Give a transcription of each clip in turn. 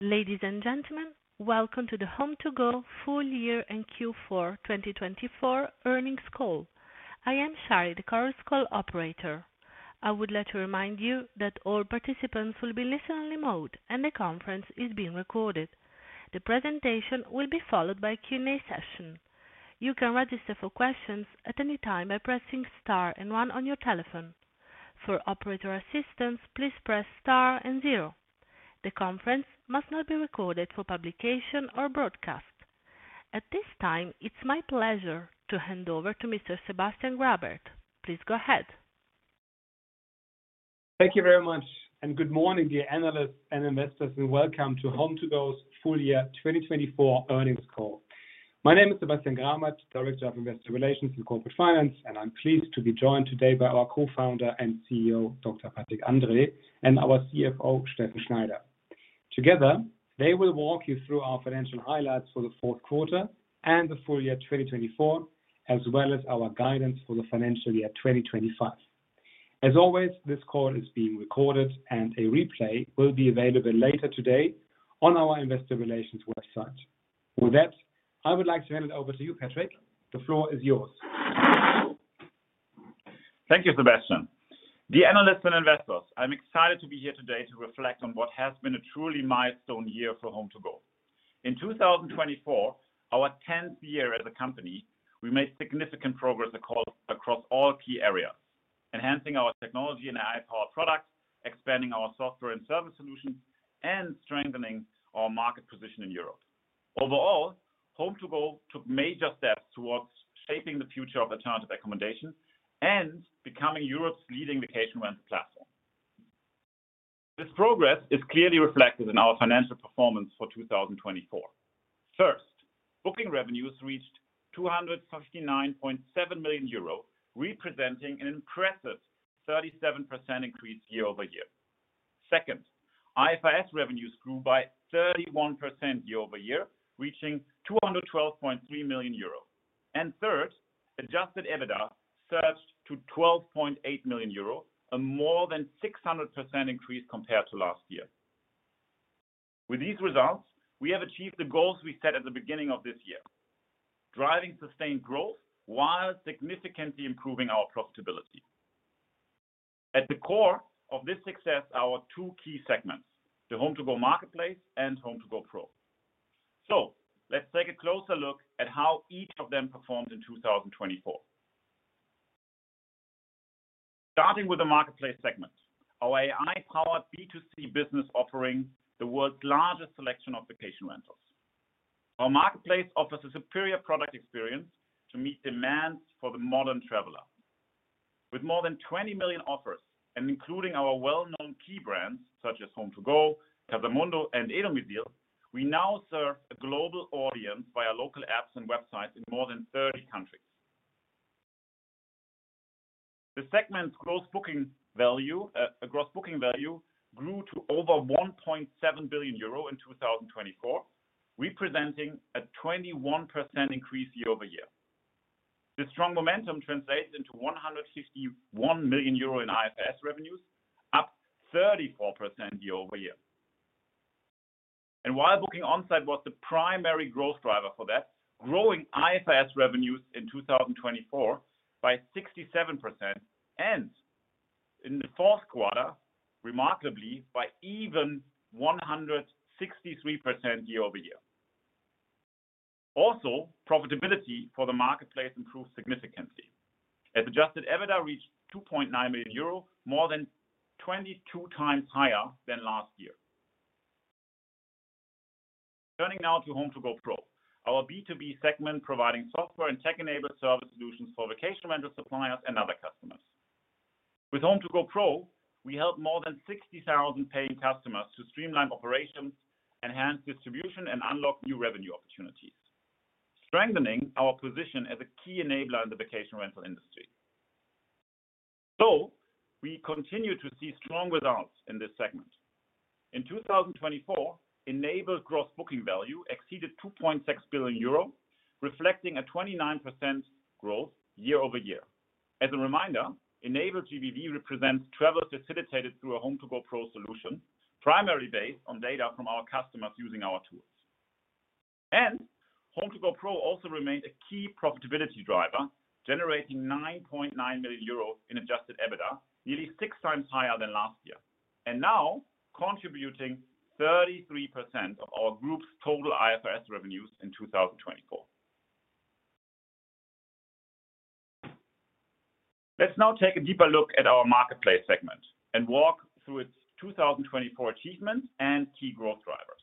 Ladies and gentlemen, welcome to the HomeToGo Full Year and Q4 2024 Earnings Call. I am Shari, the current call operator. I would like to remind you that all participants will be in listen-only mode and the conference is being recorded. The presentation will be followed by a Q&A session. You can register for questions at any time by pressing star and one on your telephone. For operator assistance, please press star and zero. The conference must not be recorded for publication or broadcast. At this time, it's my pleasure to hand over to Mr. Sebastian Grabert. Please go ahead. Thank you very much, and good morning, dear analysts and investors, and welcome to HomeToGo's Full Year 2024 Earnings Call. My name is Sebastian Grabert, Director of Investor Relations and Corporate Finance, and I'm pleased to be joined today by our Co-founder and CEO, Dr. Patrick Andrae, and our CFO, Steffen Schneider. Together, they will walk you through our financial highlights for the Q4 and the full year 2024, as well as our guidance for the financial year 2025. As always, this call is being recorded, and a replay will be available later today on our Investor Relations website. With that, I would like to hand it over to you, Patrick. The floor is yours. Thank you, Sebastian. Dear analysts and investors, I'm excited to be here today to reflect on what has been a truly milestone year for HomeToGo. In 2024, our 10th year as a company, we made significant progress across all key areas, enhancing our technology and AI-powered products, expanding our software and service solutions, and strengthening our market position in Europe. Overall, HomeToGo took major steps towards shaping the future of alternative accommodation and becoming Europe's leading vacation rental platform. This progress is clearly reflected in our financial performance for 2024. First, booking revenues reached 259.7 million euro, representing an impressive 37% increase year-over-year. Second, IFRS revenues grew by 31% year-over-year, reaching 212.3 million euros. Third, adjusted EBITDA surged to 12.8 million euros, a more than 600% increase compared to last year. With these results, we have achieved the goals we set at the beginning of this year, driving sustained growth while significantly improving our profitability. At the core of this success are our two key segments, the HomeToGo Marketplace and HomeToGo Pro. Let's take a closer look at how each of them performed in 2024. Starting with the Marketplace segment, our AI-powered B2C business offering the world's largest selection of vacation rentals. Our Marketplace offers a superior product experience to meet demands for the modern traveler. With more than 20 million offers, and including our well-known key brands such as HomeToGo, Casamundo, and e-domizil, we now serve a global audience via local apps and websites in more than 30 countries. The segment's gross booking value grew to over 1.7 billion euro in 2024, representing a 21% increase year-over-year. This strong momentum translates into 151 million euro in IFRS revenues, up 34% year-over-year. While booking onsite was the primary growth driver for that, growing IFRS revenues in 2024 by 67%, and in the Q4, remarkably, by even 163% year-over-year. Also, profitability for the Marketplace improved significantly, as adjusted EBITDA reached 2.9 million euro, more than 22 times higher than last year. Turning now to HomeToGo Pro, our B2B segment providing software and tech-enabled service solutions for vacation rental suppliers and other customers. With HomeToGo Pro, we helped more than 60,000 paying customers to streamline operations, enhance distribution, and unlock new revenue opportunities, strengthening our position as a key enabler in the vacation rental industry. We continue to see strong results in this segment. In 2024, enabled gross booking value exceeded 2.6 billion euro, reflecting a 29% growth year-over-year. As a reminder, enabled GBV represents travel facilitated through a HomeToGo Pro solution, primarily based on data from our customers using our tools. HomeToGo Pro also remained a key profitability driver, generating 9.9 million euros in adjusted EBITDA, nearly six times higher than last year, and now contributing 33% of our group's total IFRS revenues in 2024. Let's now take a deeper look at our Marketplace segment and walk through its 2024 achievements and key growth drivers.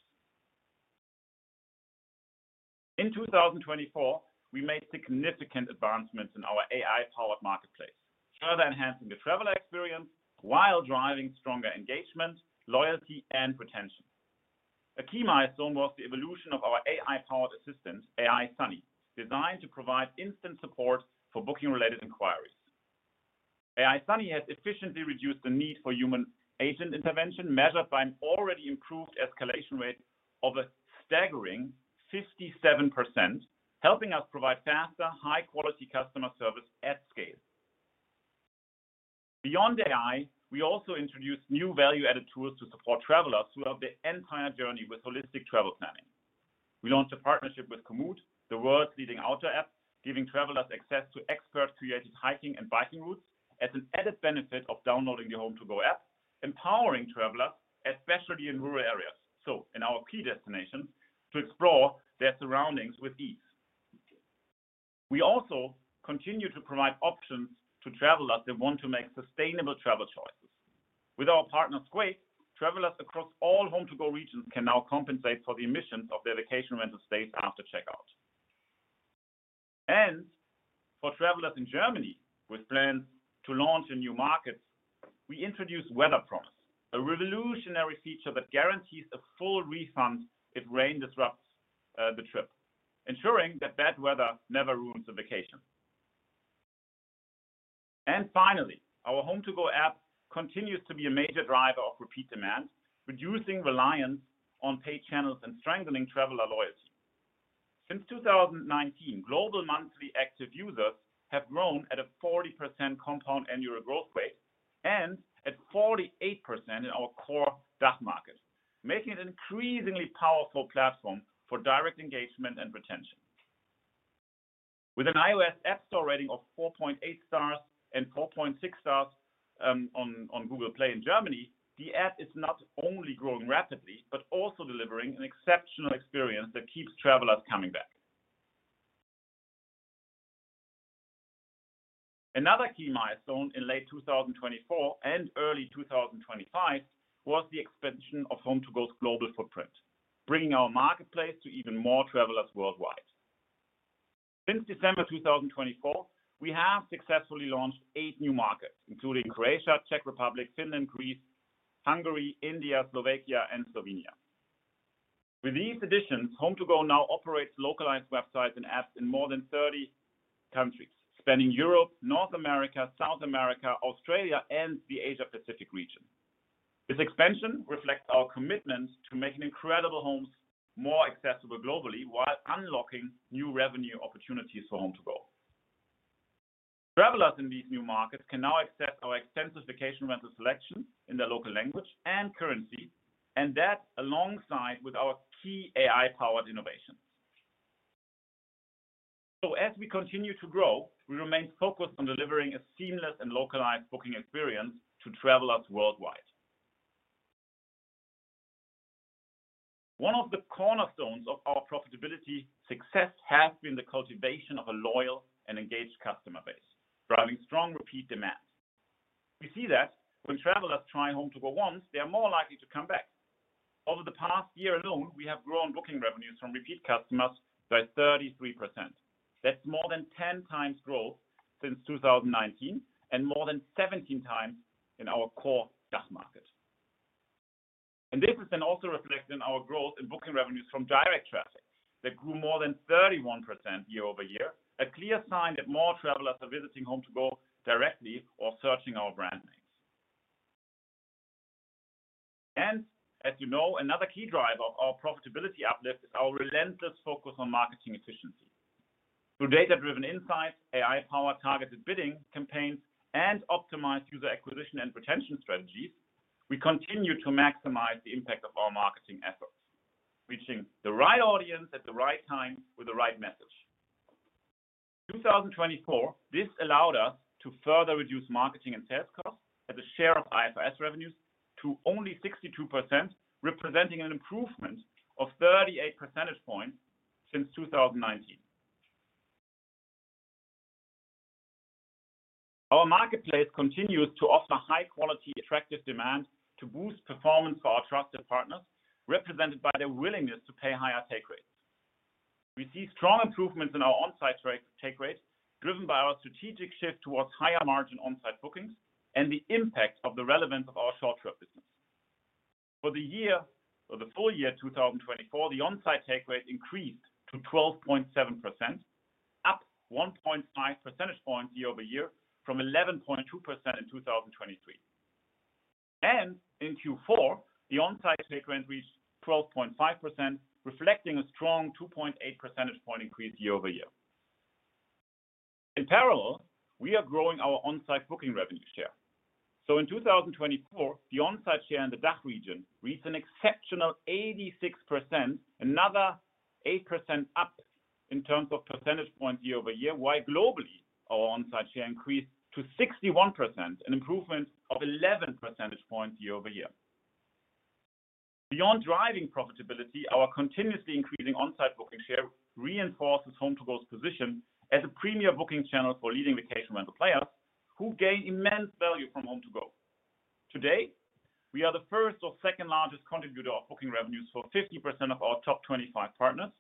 In 2024, we made significant advancements in our AI-powered Marketplace, further enhancing the traveler experience while driving stronger engagement, loyalty, and retention. A key milestone was the evolution of our AI-powered assistant, AI Sunny, designed to provide instant support for booking-related inquiries. AI Sunny has efficiently reduced the need for human agent intervention, measured by an already improved escalation rate of a staggering 57%, helping us provide faster, high-quality customer service at scale. Beyond AI, we also introduced new value-added tools to support travelers throughout the entire journey with holistic travel planning. We launched a partnership with Komoot, the world's leading outdoor app, giving travelers access to expert-created hiking and biking routes as an added benefit of downloading the HomeToGo App, empowering travelers, especially in rural areas, so in our key destinations, to explore their surroundings with ease. We also continue to provide options to travelers that want to make sustainable travel choices. With our partner SQUAKE, travelers across all HomeToGo regions can now compensate for the emissions of their vacation rental stays after checkout. For travelers in Germany with plans to launch in new markets, we introduced WeatherPromise, a revolutionary feature that guarantees a full refund if rain disrupts the trip, ensuring that bad weather never ruins the vacation. Finally, our HomeToGo App continues to be a major driver of repeat demand, reducing reliance on paid channels and strengthening traveler loyalty. Since 2019, global monthly active users have grown at a 40% compound annual growth rate and at 48% in our core DACH market, making it an increasingly powerful platform for direct engagement and retention. With an iOS App Store rating of 4.8 stars and 4.6 stars on Google Play in Germany, the app is not only growing rapidly but also delivering an exceptional experience that keeps travelers coming back. Another key milestone in late 2024 and early 2025 was the expansion of HomeToGo's global footprint, bringing our Marketplace to even more travelers worldwide. Since December 2024, we have successfully launched eight new markets, including Croatia, Czech Republic, Finland, Greece, Hungary, India, Slovakia, and Slovenia. With these additions, HomeToGo now operates localized websites and apps in more than 30 countries, spanning Europe, North America, South America, Australia, and the Asia-Pacific region. This expansion reflects our commitment to making incredible homes more accessible globally while unlocking new revenue opportunities for HomeToGo. Travelers in these new markets can now access our extensive vacation rental selections in their local language and currency, and that alongside our key AI-powered innovations. As we continue to grow, we remain focused on delivering a seamless and localized booking experience to travelers worldwide. One of the cornerstones of our profitability success has been the cultivation of a loyal and engaged customer base, driving strong repeat demand. We see that when travelers try HomeToGo once, they are more likely to come back. Over the past year alone, we have grown booking revenues from repeat customers by 33%. That's more than 10 times growth since 2019 and more than 17 times in our core DACH market. This is then also reflected in our growth in booking revenues from direct traffic that grew more than 31% year-over-year, a clear sign that more travelers are visiting HomeToGo directly or searching our brand names. As you know, another key driver of our profitability uplift is our relentless focus on marketing efficiency. Through data-driven insights, AI-powered targeted bidding campaigns, and optimized user acquisition and retention strategies, we continue to maximize the impact of our marketing efforts, reaching the right audience at the right time with the right message. In 2024, this allowed us to further reduce marketing and sales costs as a share of IFRS revenues to only 62%, representing an improvement of 38 percentage points since 2019. Our Marketplace continues to offer high-quality, attractive demand to boost performance for our trusted partners, represented by their willingness to pay higher take rates. We see strong improvements in our onsite take rate, driven by our strategic shift towards higher margin onsite bookings and the impact of the relevance of our short-term business. For the full year 2024, the onsite take rate increased to 12.7%, up 1.5 percentage points year-over-year from 11.2% in 2023. In Q4, the onsite take rate reached 12.5%, reflecting a strong 2.8 percentage point increase year-over-year. In parallel, we are growing our onsite booking revenue share. In 2024, the onsite share in the DACH region reached an exceptional 86%, another 8% up in terms of percentage points year-over-year, while globally our onsite share increased to 61%, an improvement of 11 percentage points year-over-year. Beyond driving profitability, our continuously increasing onsite booking share reinforces HomeToGo's position as a premier booking channel for leading vacation rental players who gain immense value from HomeToGo. Today, we are the first or second largest contributor of booking revenues for 50% of our top 25 partners.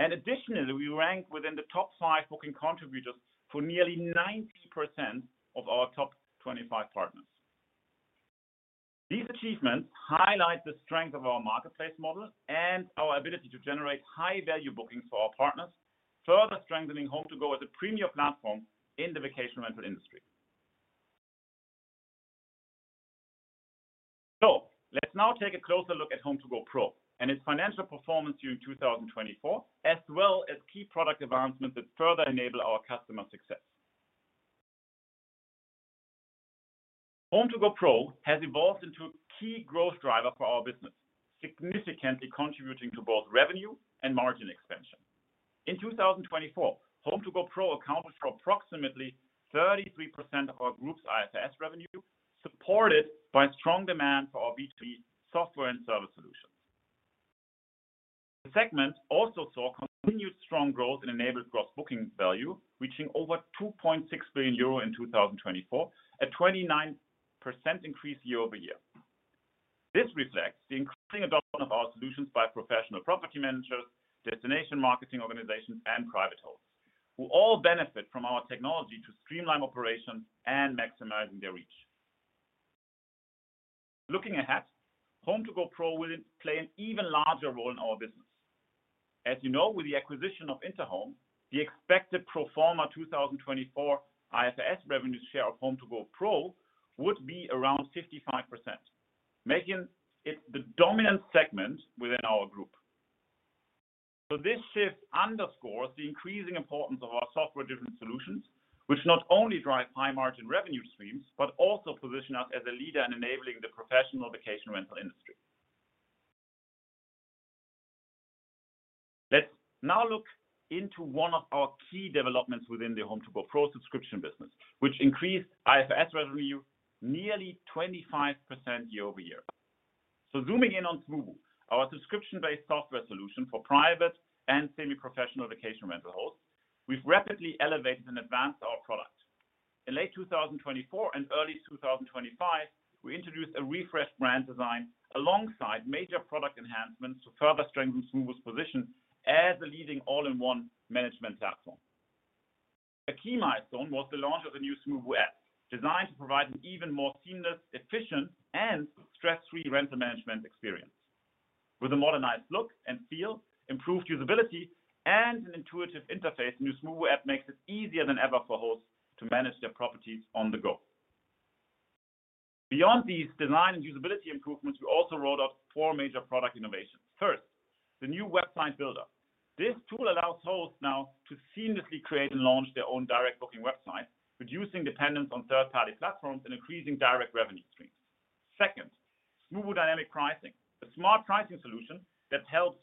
Additionally, we rank within the top five booking contributors for nearly 90% of our top 25 partners. These achievements highlight the strength of our Marketplace model and our ability to generate high-value bookings for our partners, further strengthening HomeToGo as a premier platform in the vacation rental industry. Let's now take a closer look at HomeToGo Pro and its financial performance during 2024, as well as key product advancements that further enable our customer success. HomeToGo Pro has evolved into a key growth driver for our business, significantly contributing to both revenue and margin expansion. In 2024, HomeToGo Pro accounted for approximately 33% of our group's IFRS revenue, supported by strong demand for our B2B software and service solutions. The segment also saw continued strong growth in enabled gross booking value, reaching over 2.6 billion euro in 2024, a 29% increase year-over-year. This reflects the increasing adoption of our solutions by professional property managers, destination marketing organizations, and private holders, who all benefit from our technology to streamline operations and maximize their reach. Looking ahead, HomeToGo Pro will play an even larger role in our business. As you know, with the acquisition of Interhome, the expected pro forma 2024 IFRS revenue share of HomeToGo Pro would be around 55%, making it the dominant segment within our group. This shift underscores the increasing importance of our software-driven solutions, which not only drive high-margin revenue streams but also position us as a leader in enabling the professional vacation rental industry. Let's now look into one of our key developments within the HomeToGo Pro subscription business, which increased IFRS revenue nearly 25% year-over-year. Zooming in on Smoobu, our subscription-based software solution for private and semi-professional vacation rental hosts, we've rapidly elevated and advanced our product. In late 2024 and early 2025, we introduced a refreshed brand design alongside major product enhancements to further strengthen Smoobu's position as a leading all-in-one management platform. A key milestone was the launch of the new Smoobu app, designed to provide an even more seamless, efficient, and stress-free rental management experience. With a modernized look and feel, improved usability, and an intuitive interface, the new Smoobu App makes it easier than ever for hosts to manage their properties on the go. Beyond these design and usability improvements, we also rolled out four major product innovations. First, the new Website Builder. This tool allows hosts now to seamlessly create and launch their own direct booking websites, reducing dependence on third-party platforms and increasing direct revenue streams. Second, Smoobu Dynamic Pricing, a smart pricing solution that helps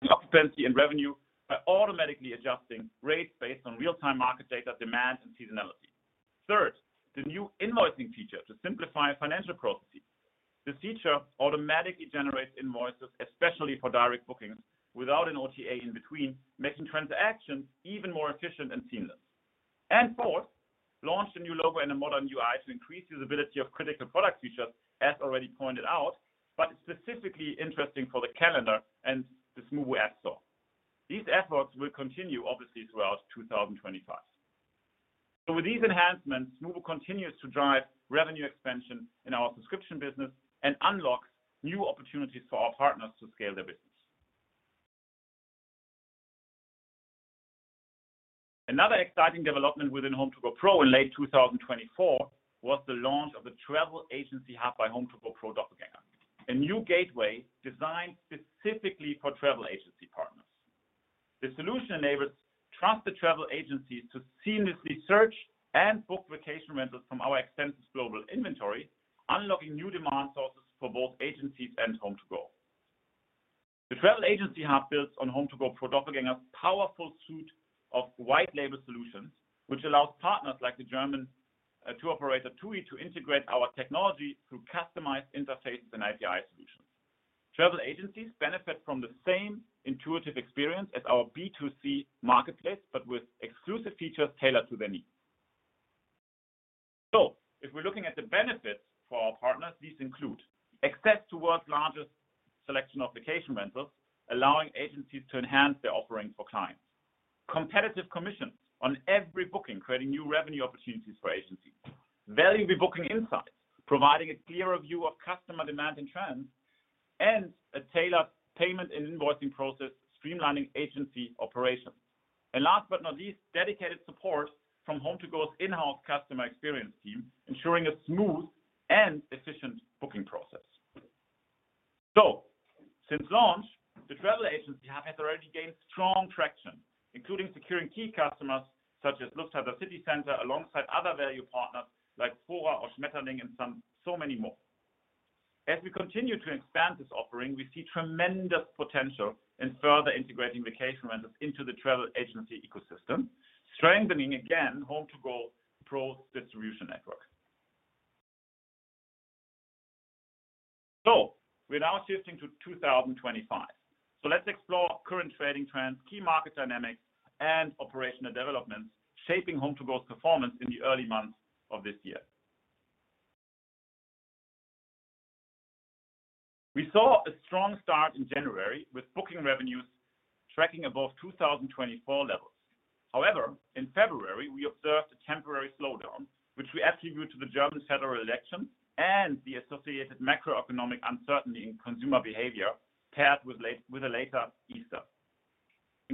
with occupancy and revenue by automatically adjusting rates based on real-time market data, demand, and seasonality. Third, the new invoicing feature to simplify financial processes. This feature automatically generates invoices, especially for direct bookings, without an OTA in between, making transactions even more efficient and seamless. Fourth, launched a new logo and a modern UI to increase the usability of critical product features, as already pointed out, but specifically interesting for the calendar and the Smoobu App Store. These efforts will continue, obviously, throughout 2025. With these enhancements, Smoobu continues to drive revenue expansion in our subscription business and unlocks new opportunities for our partners to scale their business. Another exciting development within HomeToGo Pro in late 2024 was the launch of the Travel Agency Hub by HomeToGo Pro Doppelgänger, a new gateway designed specifically for travel agency partners. The solution enables trusted travel agencies to seamlessly search and book vacation rentals from our extensive global inventory, unlocking new demand sources for both agencies and HomeToGo. The Travel Agency Hub builds on HomeToGo Pro Doppelgänger's powerful suite of white-label solutions, which allows partners like the German tour operator TUI to integrate our technology through customized interfaces and API solutions. Travel agencies benefit from the same intuitive experience as our B2C marketplace, but with exclusive features tailored to their needs. If we're looking at the benefits for our partners, these include access to the world's largest selection of vacation rentals, allowing agencies to enhance their offerings for clients, competitive commissions on every booking, creating new revenue opportunities for agencies, valuable rebooking insights, providing a clearer view of customer demand and trends, and a tailored payment and invoicing process, streamlining agency operations. Last but not least, dedicated support from HomeToGo's in-house customer experience team, ensuring a smooth and efficient booking process. Since launch, the Travel Agency Hub has already gained strong traction, including securing key customers such as Lufthansa City Center alongside other value partners like Fora or Schmetterling and so many more. As we continue to expand this offering, we see tremendous potential in further integrating vacation rentals into the Travel Agency ecosystem, strengthening again HomeToGo Pro's distribution network. We are now shifting to 2025. Let's explore current trading trends, key market dynamics, and operational developments shaping HomeToGo's performance in the early months of this year. We saw a strong start in January with booking revenues tracking above 2024 levels. However, in February, we observed a temporary slowdown, which we attribute to the German federal elections and the associated macroeconomic uncertainty in consumer behavior paired with a later Easter.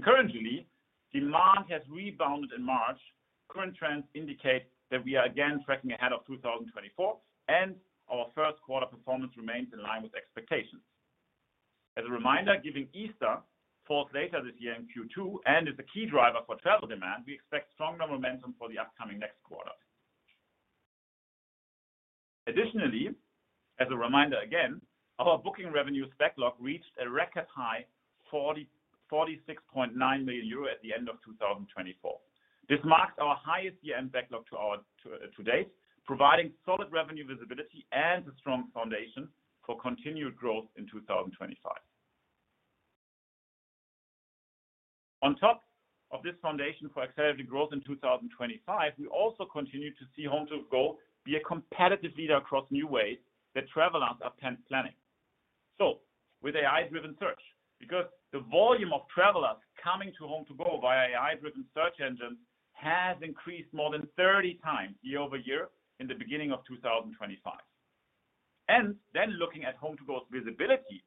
Currently, demand has rebounded in March. Current trends indicate that we are again tracking ahead of 2024, and Q1 performance remains in line with expectations. As a reminder, given Easter falls later this year in Q2 and is a key driver for travel demand, we expect stronger momentum for the upcoming next quarter. Additionally, as a reminder again, our booking revenue backlog reached a record high, 46.9 million euro at the end of 2024. This marks our highest year-end backlog to date, providing solid revenue visibility and a strong foundation for continued growth in 2025. On top of this foundation for accelerated growth in 2025, we also continue to see HomeToGo be a competitive leader across new ways that travelers are planning. With AI-driven search, because the volume of travelers coming to HomeToGo via AI-driven search engines has increased more than 30 times year-over-year in the beginning of 2025. Looking at HomeToGo's visibility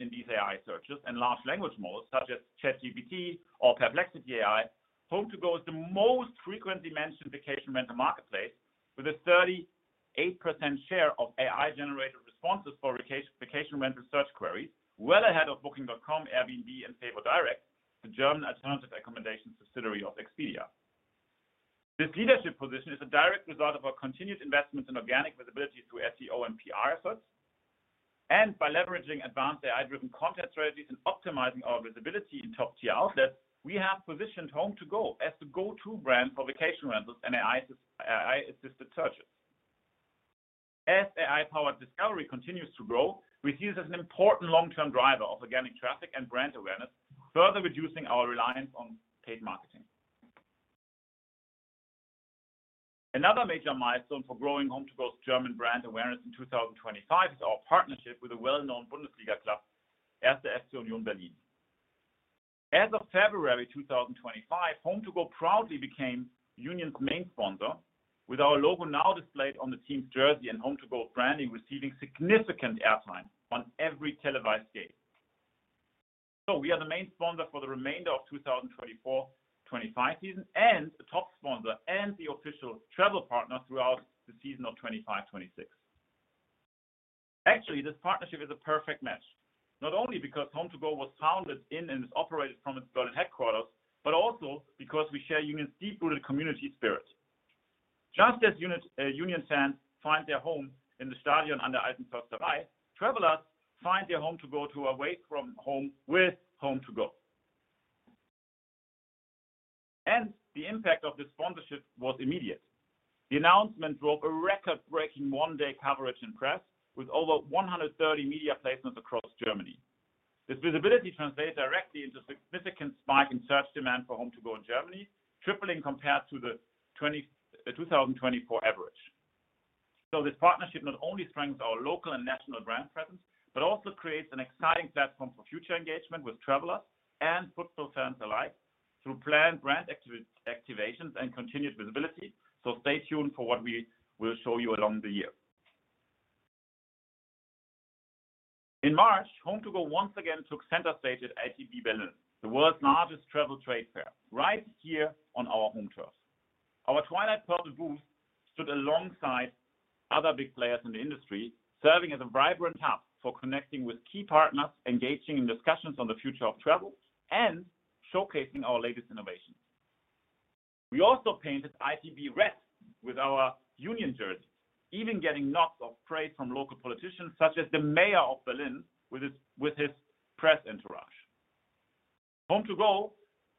in these AI searches and large language models such as ChatGPT or Perplexity AI, HomeToGo is the most frequently mentioned vacation rental marketplace with a 38% share of AI-generated responses for vacation rental search queries, well ahead of Booking.com, Airbnb, and FeWo-direkt, the German alternative accommodation subsidiary of Expedia. This leadership position is a direct result of our continued investments in organic visibility through SEO and PR efforts. By leveraging advanced AI-driven content strategies and optimizing our visibility in top-tier outlets, we have positioned HomeToGo as the go-to brand for vacation rentals and AI-assisted searches. As AI-powered discovery continues to grow, we see this as an important long-term driver of organic traffic and brand awareness, further reducing our reliance on paid marketing. Another major milestone for growing HomeToGo's German brand awareness in 2025 is our partnership with a well-known Bundesliga club, 1. FC Union Berlin. FC Union Berlin. As of February 2025, HomeToGo proudly became Union's main sponsor, with our logo now displayed on the team's jersey and HomeToGo's branding receiving significant airtime on every televised game. We are the main sponsor for the remainder of the 2024-2025 season and a top sponsor and the official travel partner throughout the season of 2025-2026. Actually, this partnership is a perfect match, not only because HomeToGo was founded in and is operated from its Berlin headquarters, but also because we share Union's deep-rooted community spirit. Just as Union fans find their home in the Stadion An der Alten Försterei, travelers find their HomeToGo tour away from home with HomeToGo. The impact of this sponsorship was immediate. The announcement drove a record-breaking one-day coverage in press with over 130 media placements across Germany. This visibility translated directly into a significant spike in search demand for HomeToGo in Germany, tripling compared to the 2024 average. This partnership not only strengthens our local and national brand presence, but also creates an exciting platform for future engagement with travelers and football fans alike through planned brand activations and continued visibility. Stay tuned for what we will show you along the year. In March, HomeToGo once again took center stage at ITB Berlin, the world's largest travel trade fair, right here on our home turf. Our Twilight Pearl booth stood alongside other big players in the industry, serving as a vibrant hub for connecting with key partners, engaging in discussions on the future of travel, and showcasing our latest innovations. We also painted ITB red with our Union jersey, even getting lots of praise from local politicians such as the mayor of Berlin with his press entourage. HomeToGo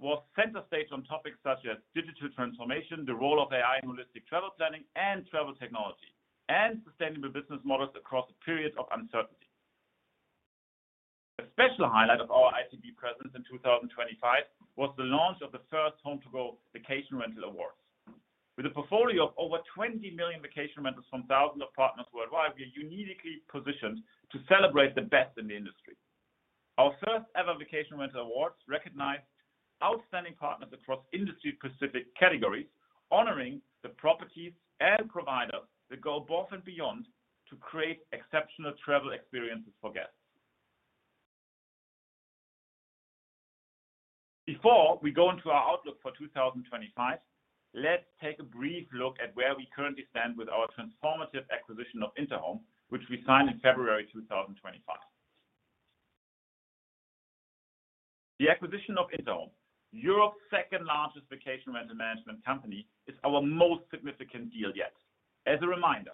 was center stage on topics such as digital transformation, the role of AI in holistic travel planning and travel technology, and sustainable business models across a period of uncertainty. A special highlight of our ITB presence in 2024 was the launch of the first HomeToGo Vacation Rental Awards. With a portfolio of over 20 million vacation rentals from thousands of partners worldwide, we are uniquely positioned to celebrate the best in the industry. Our first-ever Vacation Rental Awards recognized outstanding partners across industry-specific categories, honoring the properties and providers that go above and beyond to create exceptional travel experiences for guests. Before we go into our outlook for 2025, let's take a brief look at where we currently stand with our transformative acquisition of Interhome, which we signed in February 2025. The acquisition of Interhome, Europe's second-largest vacation rental management company, is our most significant deal yet. As a reminder,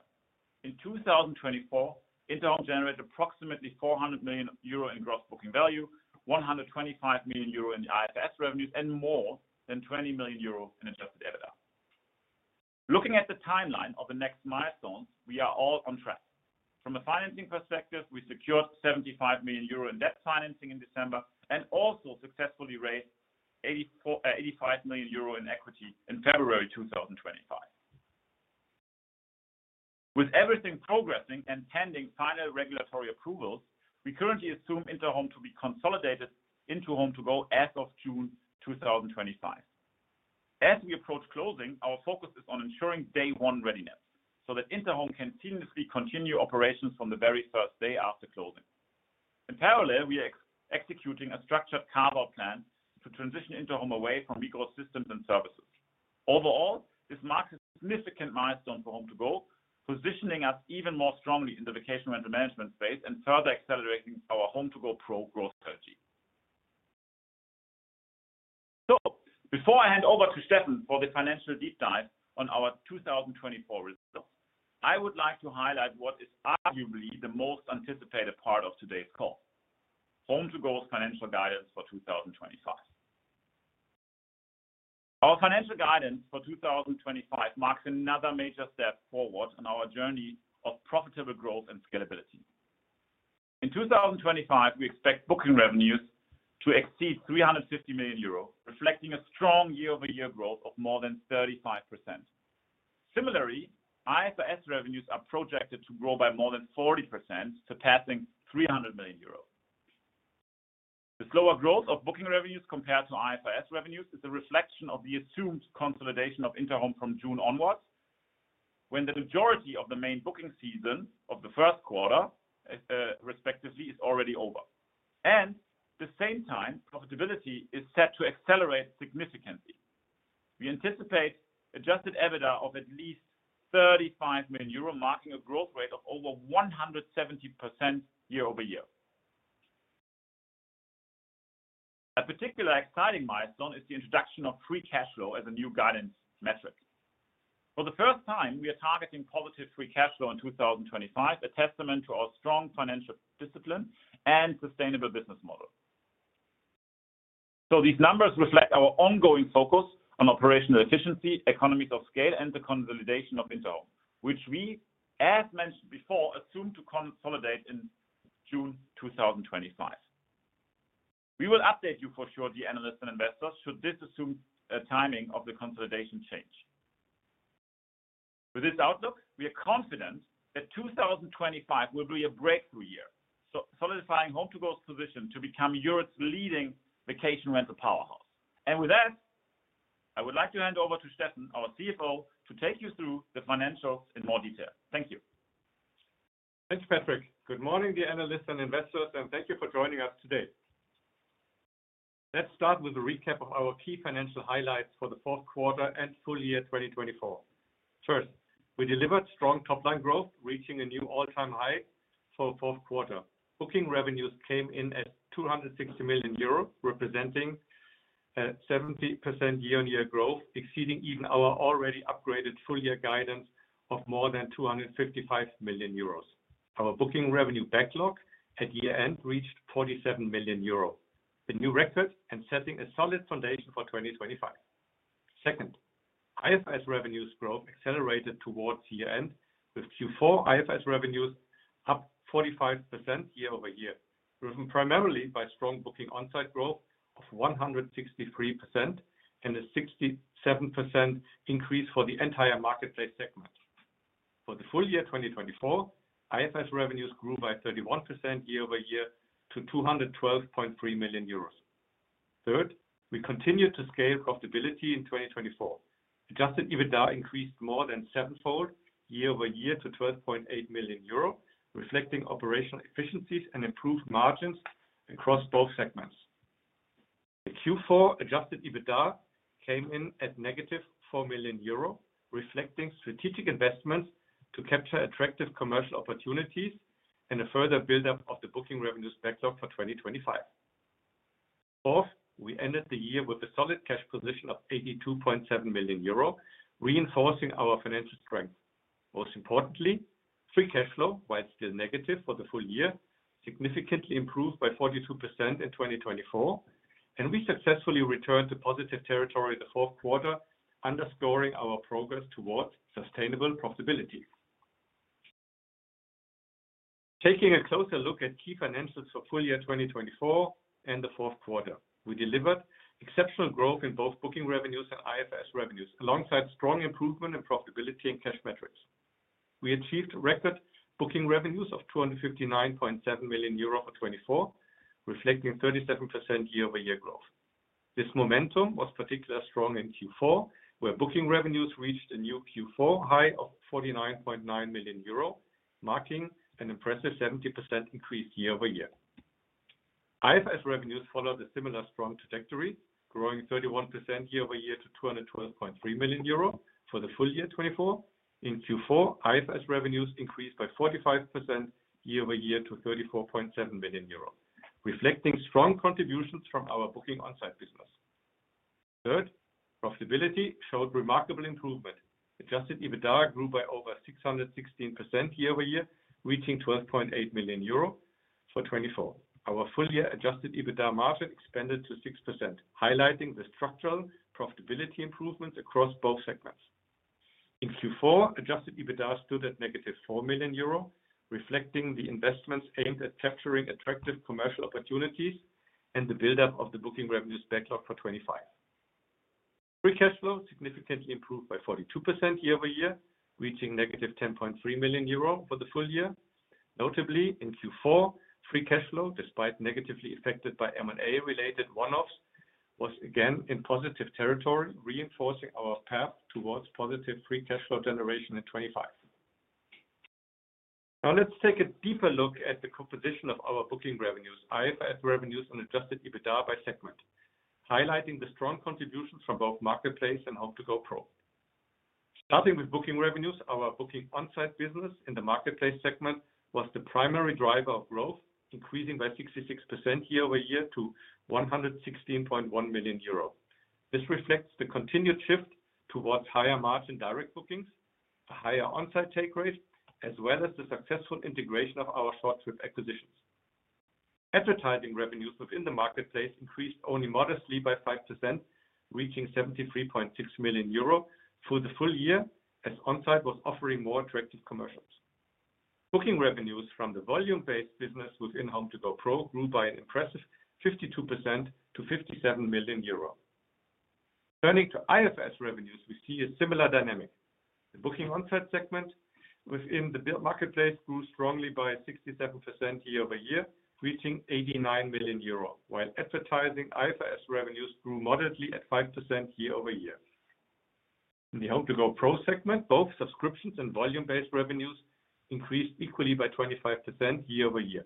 in 2024, Interhome generated approximately 400 million euro in gross booking value, 125 million euro in IFRS revenues, and more than 20 million euro in adjusted EBITDA. Looking at the timeline of the next milestones, we are all on track. From a financing perspective, we secured 75 million euro in debt financing in December and also successfully raised 85 million euro in equity in February 2025. With everything progressing and pending final regulatory approvals, we currently assume Interhome to be consolidated into HomeToGo as of June 2025. As we approach closing, our focus is on ensuring day-one readiness so that Interhome can seamlessly continue operations from the very first day after closing. In parallel, we are executing a structured carve-out plan to transition Interhome away from eGrowth systems and services. Overall, this marks a significant milestone for HomeToGo, positioning us even more strongly in the vacation rental management space and further accelerating our HomeToGo Pro growth strategy. Before I hand over to Steffen for the financial deep dive on our 2024 results, I would like to highlight what is arguably the most anticipated part of today's call: HomeToGo's financial guidance for 2025. Our financial guidance for 2025 marks another major step forward in our journey of profitable growth and scalability. In 2025, we expect booking revenues to exceed 350 million euros, reflecting a strong year-over-year growth of more than 35%. Similarly, IFRS revenues are projected to grow by more than 40%, surpassing 300 million euros. The slower growth of booking revenues compared to IFRS revenues is a reflection of the assumed consolidation of Interhome from June onwards, when the majority of the main booking seasons of the Q1, respectively, is already over. At the same time, profitability is set to accelerate significantly. We anticipate adjusted EBITDA of at least 35 million euro, marking a growth rate of over 170% year-over-year. A particularly exciting milestone is the introduction of free cash flow as a new guidance metric. For the first time, we are targeting positive free cash flow in 2025, a testament to our strong financial discipline and sustainable business model. These numbers reflect our ongoing focus on operational efficiency, economies of scale, and the consolidation of Interhome, which we, as mentioned before, assume to consolidate in June 2025. We will update you for sure, dear analysts and investors, should this assumed timing of the consolidation change. With this outlook, we are confident that 2025 will be a breakthrough year, solidifying HomeToGo's position to become Europe's leading vacation rental powerhouse. With that, I would like to hand over to Steffen, our CFO, to take you through the financials in more detail. Thank you. Thanks, Patrick. Good morning, dear analysts and investors, and thank you for joining us today. Let's start with a recap of our key financial highlights for the Q4 and full year 2024. First, we delivered strong top-line growth, reaching a new all-time high for the Q4. Booking revenues came in at 260 million euros, representing a 70% year-on-year growth, exceeding even our already upgraded full-year guidance of more than 255 million euros. Our booking revenue backlog at year-end reached 47 million euro, a new record and setting a solid foundation for 2025. Second, IFRS revenues growth accelerated towards year-end, with Q4 IFRS revenues up 45% year-over-year, driven primarily by strong booking on-site growth of 163% and a 67% increase for the entire marketplace segment. For the full year 2024, IFRS revenues grew by 31% year-over-year to 212.3 million euros. Third, we continued to scale profitability in 2024. Adjusted EBITDA increased more than seven-fold year-over-year to 12.8 million euro, reflecting operational efficiencies and improved margins across both segments. The Q4 adjusted EBITDA came in at negative 4 million euro, reflecting strategic investments to capture attractive commercial opportunities and a further build-up of the booking revenues backlog for 2025. Fourth, we ended the year with a solid cash position of 82.7 million euro, reinforcing our financial strength. Most importantly, free cash flow, while still negative for the full year, significantly improved by 42% in 2024, and we successfully returned to positive territory in the Q4, underscoring our progress towards sustainable profitability. Taking a closer look at key financials for full year 2024 and the Q4, we delivered exceptional growth in both booking revenues and IFRS revenues, alongside strong improvement in profitability and cash metrics. We achieved record booking revenues of 259.7 million euro for 2024, reflecting 37% year-over-year growth. This momentum was particularly strong in Q4, where booking revenues reached a new Q4 high of 49.9 million euro, marking an impressive 70% increase year-over-year. IFRS revenues followed a similar strong trajectory, growing 31% year-over-year to 212.3 million euro for the full year 2024. In Q4, IFRS revenues increased by 45% year-over-year to 34.7 million euros, reflecting strong contributions from our booking on-site business. Third, profitability showed remarkable improvement. Adjusted EBITDA grew by over 616% year-over-year, reaching 12.8 million euro for 2024. Our full-year adjusted EBITDA margin expanded to 6%, highlighting the structural profitability improvements across both segments. In Q4, adjusted EBITDA stood at negative 4 million euro, reflecting the investments aimed at capturing attractive commercial opportunities and the build-up of the booking revenues backlog for 2025. Free cash flow significantly improved by 42% year-over-year, reaching negative 10.3 million euro for the full year. Notably, in Q4, free cash flow, despite negatively affected by M&A-related one-offs, was again in positive territory, reinforcing our path towards positive free cash flow generation in 2025. Now, let's take a deeper look at the composition of our booking revenues, IFRS revenues, and adjusted EBITDA by segment, highlighting the strong contributions from both marketplace and HomeToGo Pro. Starting with booking revenues, our booking on-site business in the marketplace segment was the primary driver of growth, increasing by 66% year-over-year to 116.1 million euro. This reflects the continued shift towards higher margin direct bookings, a higher on-site take rate, as well as the successful integration of our short-term acquisitions. Advertising revenues within the marketplace increased only modestly by 5%, reaching 73.6 million euro for the full year, as on-site was offering more attractive commercials. Booking revenues from the volume-based business within HomeToGo Pro grew by an impressive 52% to 57 million euro. Turning to IFRS revenues, we see a similar dynamic. The booking on-site segment within the marketplace grew strongly by 67% year-over-year, reaching 89 million euro, while advertising IFRS revenues grew moderately at 5% year-over-year. In the HomeToGo Pro segment, both subscriptions and volume-based revenues increased equally by 25% year-over-year.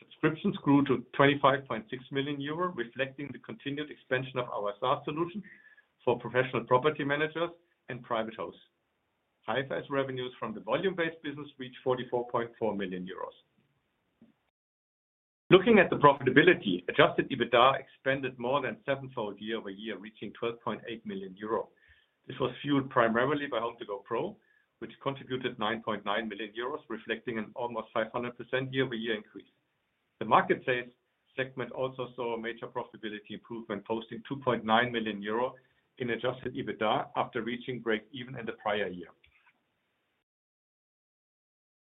Subscriptions grew to 25.6 million euro, reflecting the continued expansion of our SaaS solution for professional property managers and private homes. IFRS revenues from the volume-based business reached 44.4 million euros. Looking at the profitability, adjusted EBITDA expanded more than seven-fold year-over-year, reaching 12.8 million euro. This was fueled primarily by HomeToGo Pro, which contributed 9.9 million euros, reflecting an almost 500% year-over-year increase. The marketplace segment also saw a major profitability improvement, posting 2.9 million euro in adjusted EBITDA after reaching break-even in the prior year.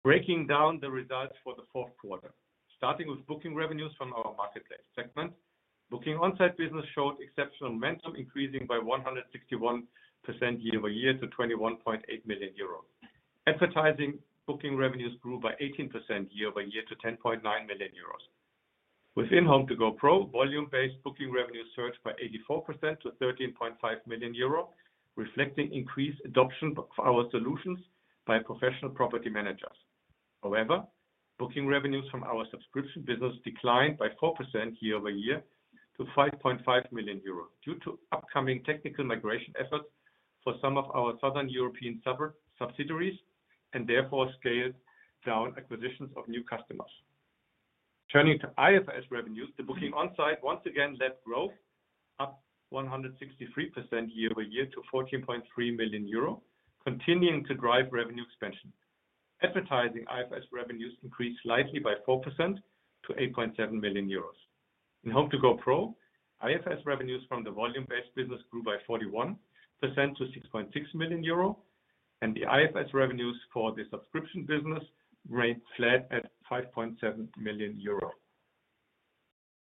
Breaking down the results for the Q4, starting with booking revenues from our marketplace segment, booking on-site business showed exceptional momentum, increasing by 161% year-over-year to 21.8 million euros. Advertising booking revenues grew by 18% year-over-year to 10.9 million euros. Within HomeToGo Pro, volume-based booking revenues surged by 84% to 13.5 million euros, reflecting increased adoption of our solutions by professional property managers. However, booking revenues from our subscription business declined by 4% year-over-year to 5.5 million euros due to upcoming technical migration efforts for some of our southern European subsidiaries and therefore scaled-down acquisitions of new customers. Turning to IFRS revenues, the booking on-site once again led growth up 163% year-over-year to 14.3 million euro, continuing to drive revenue expansion. Advertising IFRS revenues increased slightly by 4% to 8.7 million euros. In HomeToGo Pro, IFRS revenues from the volume-based business grew by 41% to 6.6 million euro, and the IFRS revenues for the subscription business remained flat at 5.7 million euro.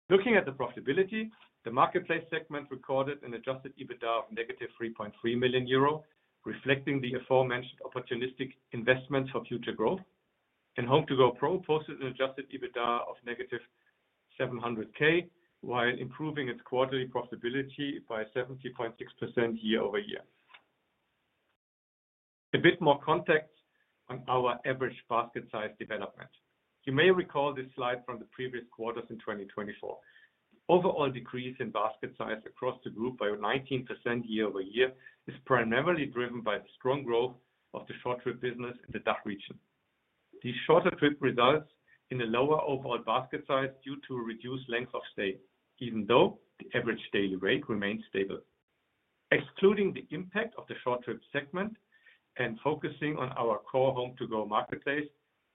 Looking at the profitability, the marketplace segment recorded an adjusted EBITDA of negative 3.3 million euro, reflecting the aforementioned opportunistic investments for future growth. HomeToGo Pro posted an adjusted EBITDA of negative 700,000, while improving its quarterly profitability by 70.6% year-over-year. A bit more context on our average basket size development. You may recall this slide from the previous quarters in 2024. The overall decrease in basket size across the group by 19% year-over-year is primarily driven by the strong growth of the short-term business in the DACH region. These shorter trips result in a lower overall basket size due to a reduced length of stay, even though the average daily rate remains stable. Excluding the impact of the short-term segment and focusing on our core HomeToGo Marketplace,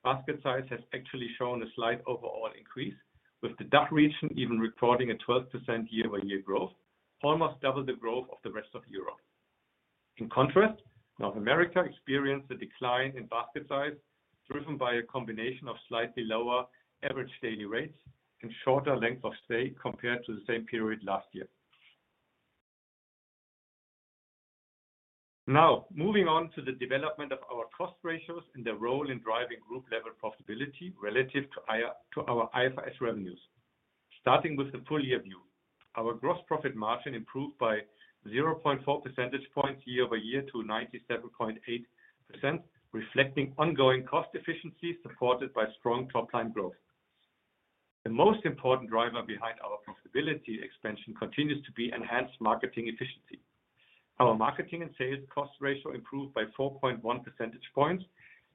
basket size has actually shown a slight overall increase, with the DACH region even recording a 12% year-over-year growth, almost double the growth of the rest of Europe. In contrast, North America experienced a decline in basket size, driven by a combination of slightly lower average daily rates and shorter length of stay compared to the same period last year. Now, moving on to the development of our cost ratios and their role in driving group-level profitability relative to our IFRS revenues. Starting with the full-year view, our gross profit margin improved by 0.4 percentage points year-over-year to 97.8%, reflecting ongoing cost efficiencies supported by strong top-line growth. The most important driver behind our profitability expansion continues to be enhanced marketing efficiency. Our marketing and sales cost ratio improved by 4.1 percentage points,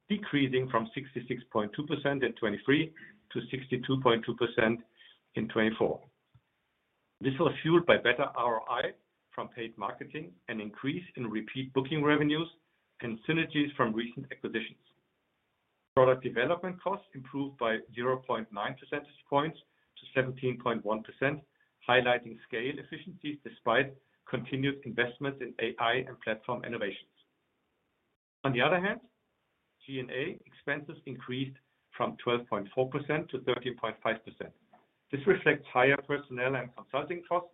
decreasing from 66.2% in 2023 to 62.2% in 2024. This was fueled by better ROI from paid marketing, an increase in repeat booking revenues, and synergies from recent acquisitions. Product development costs improved by 0.9 percentage points to 17.1%, highlighting scale efficiencies despite continued investments in AI and platform innovations. On the other hand, G&A expenses increased from 12.4% to 13.5%. This reflects higher personnel and consulting costs,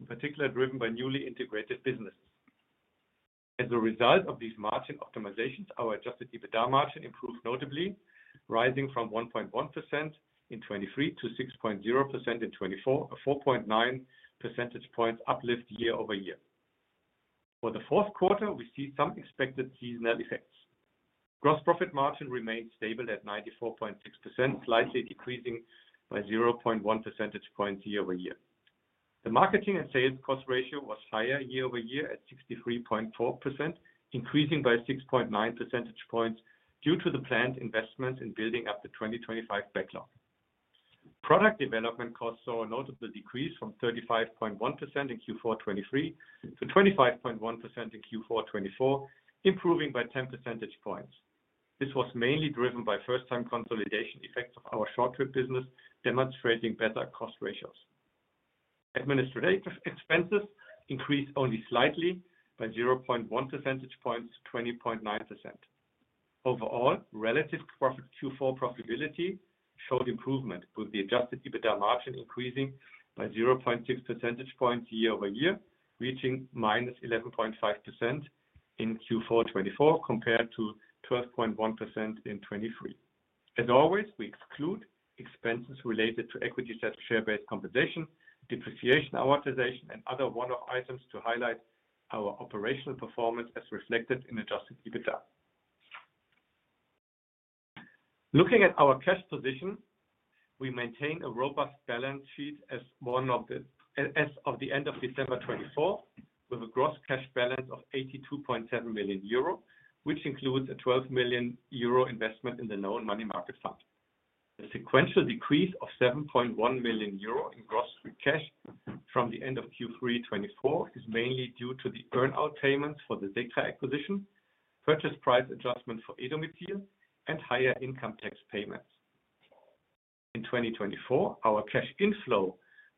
in particular driven by newly integrated businesses. As a result of these margin optimizations, our adjusted EBITDA margin improved notably, rising from 1.1% in 2023 to 6.0% in 2024, a 4.9 percentage point uplift year-over-year. For the Q4, we see some expected seasonal effects. Gross profit margin remained stable at 94.6%, slightly decreasing by 0.1 percentage points year-over-year. The marketing and sales cost ratio was higher year-over-year at 63.4%, increasing by 6.9 percentage points due to the planned investments in building up the 2025 backlog. Product development costs saw a notable decrease from 35.1% in Q4 2023 to 25.1% in Q4 2024, improving by 10 percentage points. This was mainly driven by first-time consolidation effects of our short-term business, demonstrating better cost ratios. Administrative expenses increased only slightly by 0.1 percentage points to 20.9%. Overall, relative Q4 profitability showed improvement, with the adjusted EBITDA margin increasing by 0.6 percentage points year-over-year, reaching -11.5% in Q4 2024 compared to 12.1% in 2023. As always, we exclude expenses related to equity share-based compensation, depreciation, amortization, and other one-off items to highlight our operational performance as reflected in adjusted EBITDA. Looking at our cash position, we maintain a robust balance sheet as of the end of December 2024, with a gross cash balance of 82.7 million euro, which includes a 12 million euro investment in the Known Money Market Fund. The sequential decrease of 7.1 million euro in gross free cash from the end of Q3 2024 is mainly due to the earn-out payments for the SECRA acquisition, purchase price adjustment for e-domizil, and higher income tax payments. In 2024, our cash inflow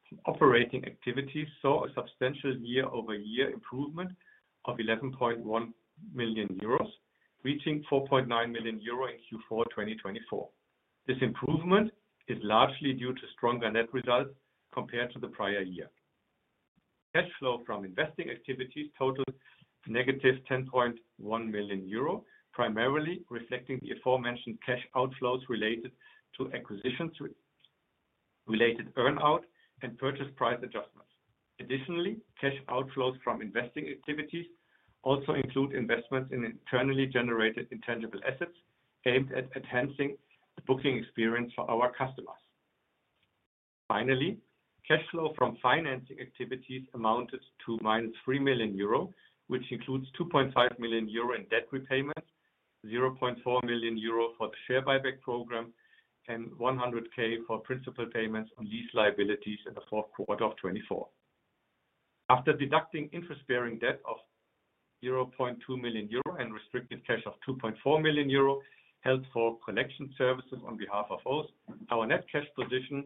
from operating activities saw a substantial year-over-year improvement of 11.1 million euros, reaching 4.9 million euro in Q4 2024. This improvement is largely due to stronger net results compared to the prior year. Cash flow from investing activities totaled negative 10.1 million euro, primarily reflecting the aforementioned cash outflows related to acquisitions related earn-out and purchase price adjustments. Additionally, cash outflows from investing activities also include investments in internally generated intangible assets aimed at enhancing the booking experience for our customers. Finally, cash flow from financing activities amounted to minus 3 million euro, which includes 2.5 million euro in debt repayments, 0.4 million euro for the share buyback program, and 100,000 for principal payments on lease liabilities in the Q4 of 2024. After deducting interest-bearing debt of 0.2 million euro and restricted cash of 2.4 million euro held for collection services on behalf of our hosts, our net cash position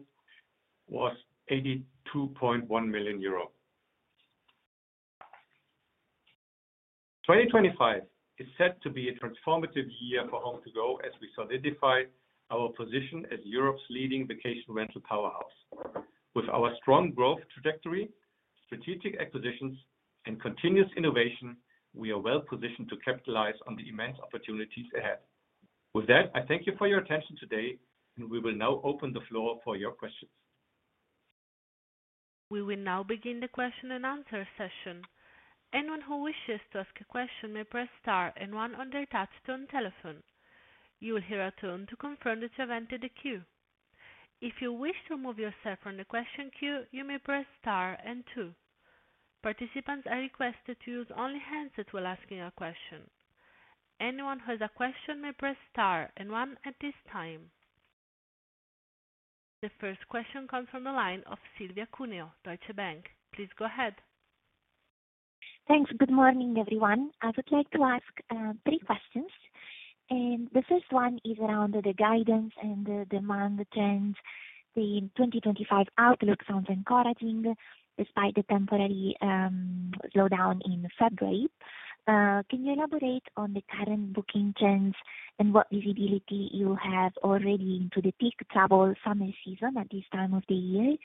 was EUR 82.1 million. 2025 is set to be a transformative year for HomeToGo, as we solidify our position as Europe's leading vacation rental powerhouse. With our strong growth trajectory, strategic acquisitions, and continuous innovation, we are well positioned to capitalize on the immense opportunities ahead. With that, I thank you for your attention today, and we will now open the floor for your questions. We will now begin the question and answer session. Anyone who wishes to ask a question may press star and 1 on their touch-tone telephone. You will hear a tone to confirm that you have entered the queue. If you wish to remove yourself from the question queue, you may press star and 2. Participants are requested to use only hands while asking a question. Anyone who has a question may press star and 1 at this time. The first question comes from the line of Silvia Cuneo, Deutsche Bank. Please go ahead. Thanks. Good morning, everyone. I would like to ask three questions. The first one is around the guidance and the demand trends. The 2025 outlook sounds encouraging despite the temporary slowdown in February. Can you elaborate on the current booking trends and what visibility you have already into the peak travel summer season at this time of the year?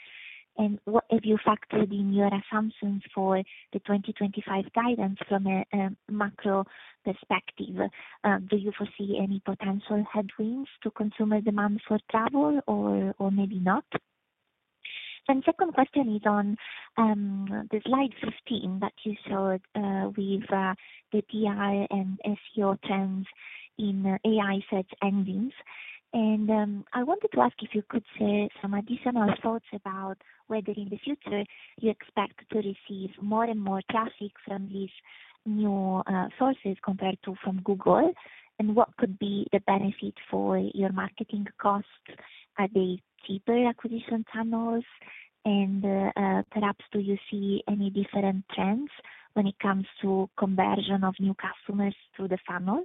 What have you factored in your assumptions for the 2025 guidance from a macro perspective? Do you foresee any potential headwinds to consumer demand for travel, or maybe not? The second question is on slide 15 that you showed with the PR and SEO trends in AI search engines. I wanted to ask if you could share some additional thoughts about whether in the future you expect to receive more and more traffic from these new sources compared to from Google, and what could be the benefit for your marketing costs? Are they cheaper acquisition channels? Perhaps do you see any different trends when it comes to conversion of new customers to the funnel?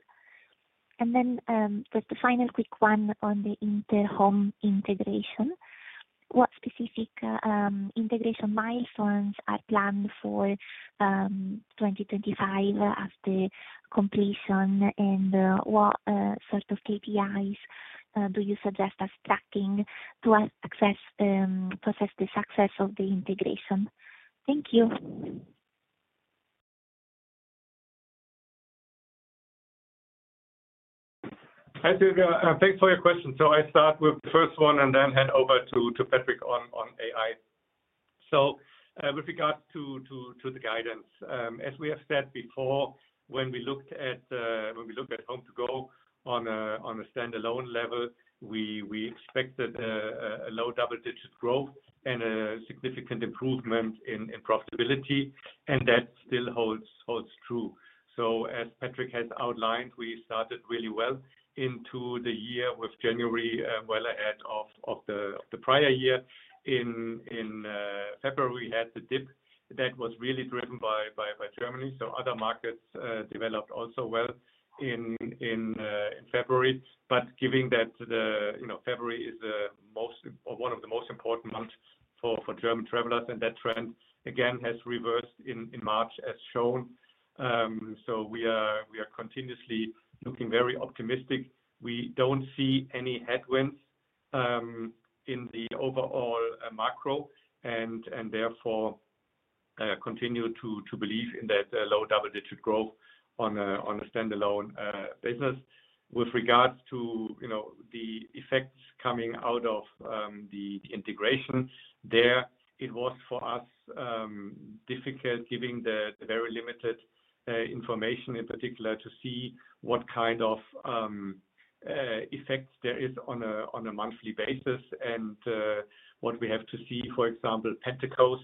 Just the final quick one on the Interhome integration. What specific integration milestones are planned for 2025 after completion, and what sort of KPIs do you suggest as tracking to assess the success of the integration? Thank you. Hi, Silvia. Thanks for your question. I start with the first one and then hand over to Patrick on AI. With regards to the guidance, as we have said before, when we looked at HomeToGo on a standalone level, we expected a low double-digit growth and a significant improvement in profitability, and that still holds true. As Patrick has outlined, we started really well into the year with January well ahead of the prior year. In February, we had the dip that was really driven by Germany. Other markets developed also well in February, but given that February is one of the most important months for German travelers, that trend, again, has reversed in March, as shown. We are continuously looking very optimistic. We do not see any headwinds in the overall macro, and therefore continue to believe in that low double-digit growth on a standalone business. With regards to the effects coming out of the integration there, it was for us difficult, given the very limited information in particular, to see what kind of effects there are on a monthly basis and what we have to see. For example, Pentecost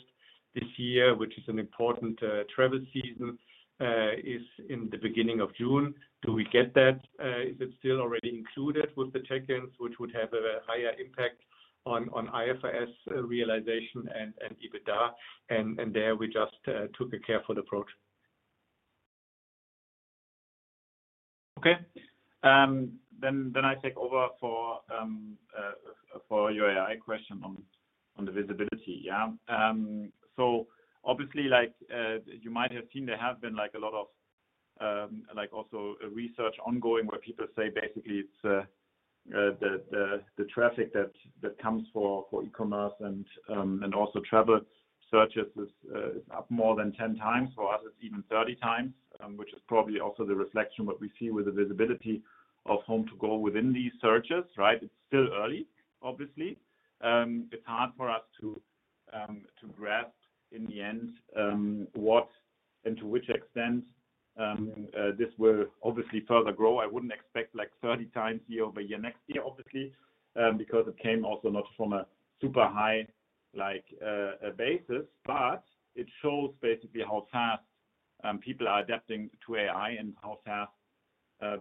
this year, which is an important travel season, is in the beginning of June. Do we get that? Is it still already included with the check-ins, which would have a higher impact on IFRS realization and EBITDA? There we just took a careful approach. Okay. I take over for your AI question on the visibility. Yeah. Obviously, like you might have seen, there have been a lot of also research ongoing where people say basically it is the traffic that comes for e-commerce and also travel searches is up more than 10 times. For us, it's even 30 times, which is probably also the reflection of what we see with the visibility of HomeToGo within these searches, right? It's still early, obviously. It's hard for us to grasp in the end what and to which extent this will obviously further grow. I wouldn't expect like 30 times year-over-year next year, obviously, because it came also not from a super high basis, but it shows basically how fast people are adapting to AI and how fast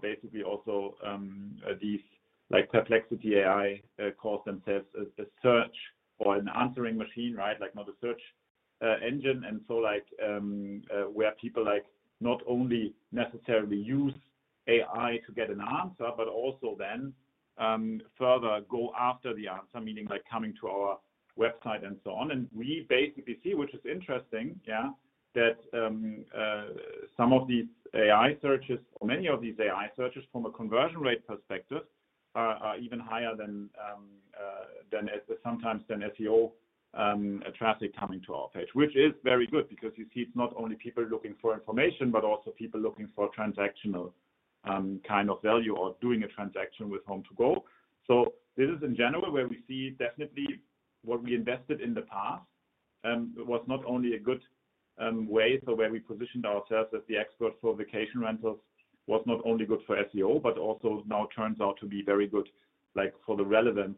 basically also these Perplexity AI calls themselves a search or an answering machine, right? Like not a search engine. Where people not only necessarily use AI to get an answer, but also then further go after the answer, meaning like coming to our website and so on. We basically see, which is interesting, yeah, that some of these AI searches, or many of these AI searches from a conversion rate perspective, are even higher sometimes than SEO traffic coming to our page, which is very good because you see it's not only people looking for information, but also people looking for transactional kind of value or doing a transaction with HomeToGo. This is in general where we see definitely what we invested in the past was not only a good way, so where we positioned ourselves as the expert for vacation rentals was not only good for SEO, but also now turns out to be very good for the relevance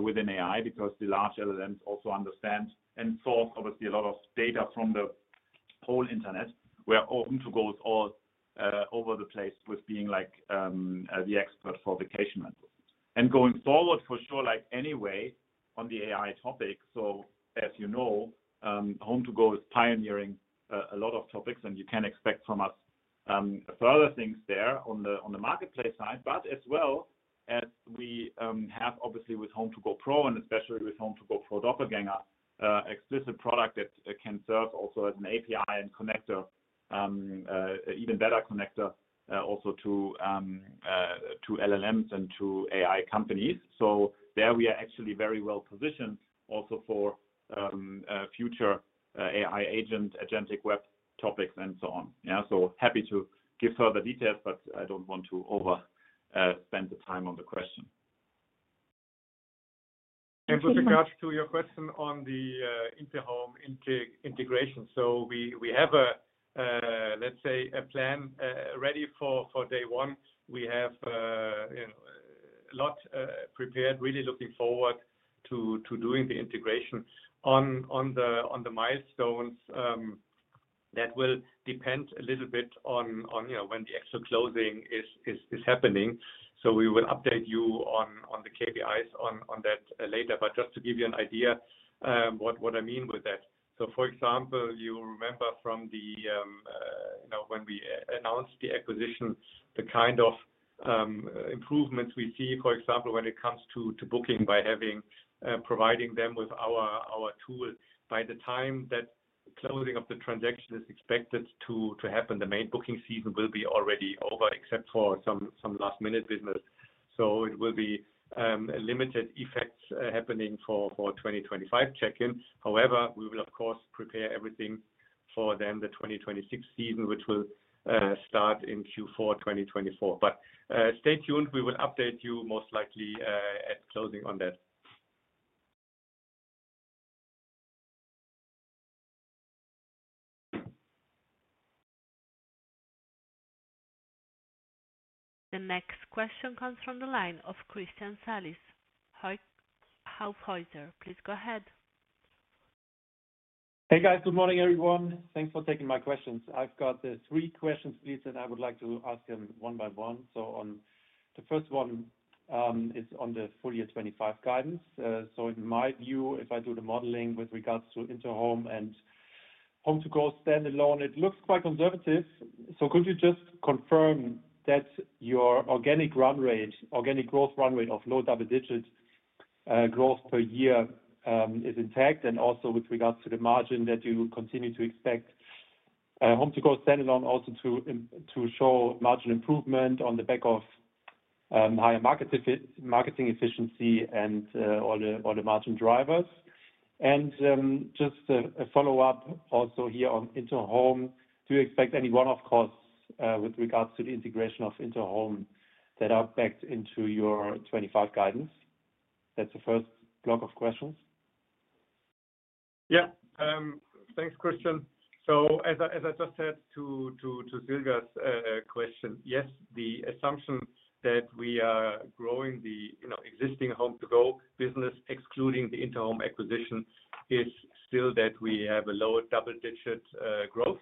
within AI because the large LLMs also understand and source obviously a lot of data from the whole internet, where HomeToGo is all over the place with being like the expert for vacation rentals. Going forward, for sure, like any way on the AI topic. As you know, HomeToGo is pioneering a lot of topics, and you can expect from us further things there on the marketplace side, but as well as we have obviously with HomeToGo Pro and especially with HomeToGo Pro Doppelgänger, explicit product that can serve also as an API and connector, even better connector also to LLMs and to AI companies. There we are actually very well positioned also for future AI agent, agentic web topics and so on. Yeah. Happy to give further details, but I do not want to overspend the time on the question. With regards to your question on the Interhome integration, we have, let's say, a plan ready for day one. We have a lot prepared, really looking forward to doing the integration on the milestones that will depend a little bit on when the actual closing is happening. We will update you on the KPIs on that later, just to give you an idea what I mean with that. For example, you remember from when we announced the acquisition, the kind of improvements we see, for example, when it comes to booking by providing them with our tool. By the time that closing of the transaction is expected to happen, the main booking season will be already over, except for some last-minute business. It will be limited effects happening for 2025 check-in. However, we will, of course, prepare everything for then the 2026 season, which will start in Q4 2024. Stay tuned. We will update you most likely at closing on that. The next question comes from the line of Christian Salis. Hi, Hauck Aufhäuser. Please go ahead. Hey, guys. Good morning, everyone. Thanks for taking my questions. I've got three questions, please, that I would like to ask them one by one. The first one is on the full year 2025 guidance. In my view, if I do the modeling with regards to Interhome and HomeToGo standalone, it looks quite conservative. Could you just confirm that your organic growth run rate of low double-digit growth per year is intact, and also with regards to the margin that you continue to expect HomeToGo standalone also to show margin improvement on the back of higher marketing efficiency and all the margin drivers? Just a follow-up also here on Interhome, do you expect any one-off costs with regards to the integration of Interhome that are backed into your 2025 guidance? That's the first block of questions. Yeah. Thanks, Christian. As I just said to Silvia's question, yes, the assumption that we are growing the existing HomeToGo business, excluding the Interhome acquisition, is still that we have a low double-digit growth,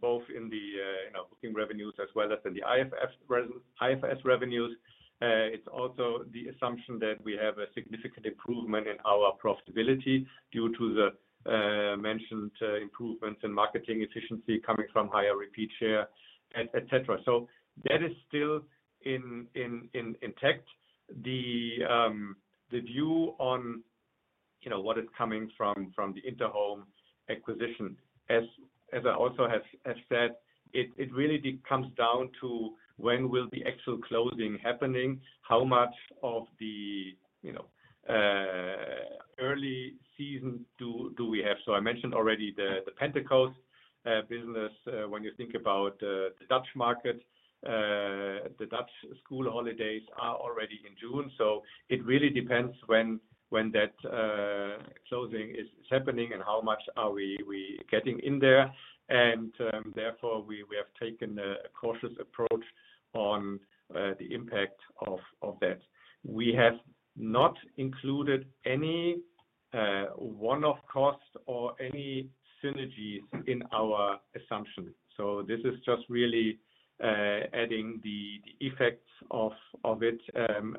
both in the booking revenues as well as in the IFRS revenues. It's also the assumption that we have a significant improvement in our profitability due to the mentioned improvements in marketing efficiency coming from higher repeat share, etc. That is still intact. The view on what is coming from the Interhome acquisition, as I also have said, it really comes down to when will the actual closing happen, how much of the early season do we have. I mentioned already the Pentecost business. When you think about the Dutch market, the Dutch school holidays are already in June. It really depends when that closing is happening and how much are we getting in there. Therefore, we have taken a cautious approach on the impact of that. We have not included any one-off cost or any synergies in our assumption. This is just really adding the effects of it,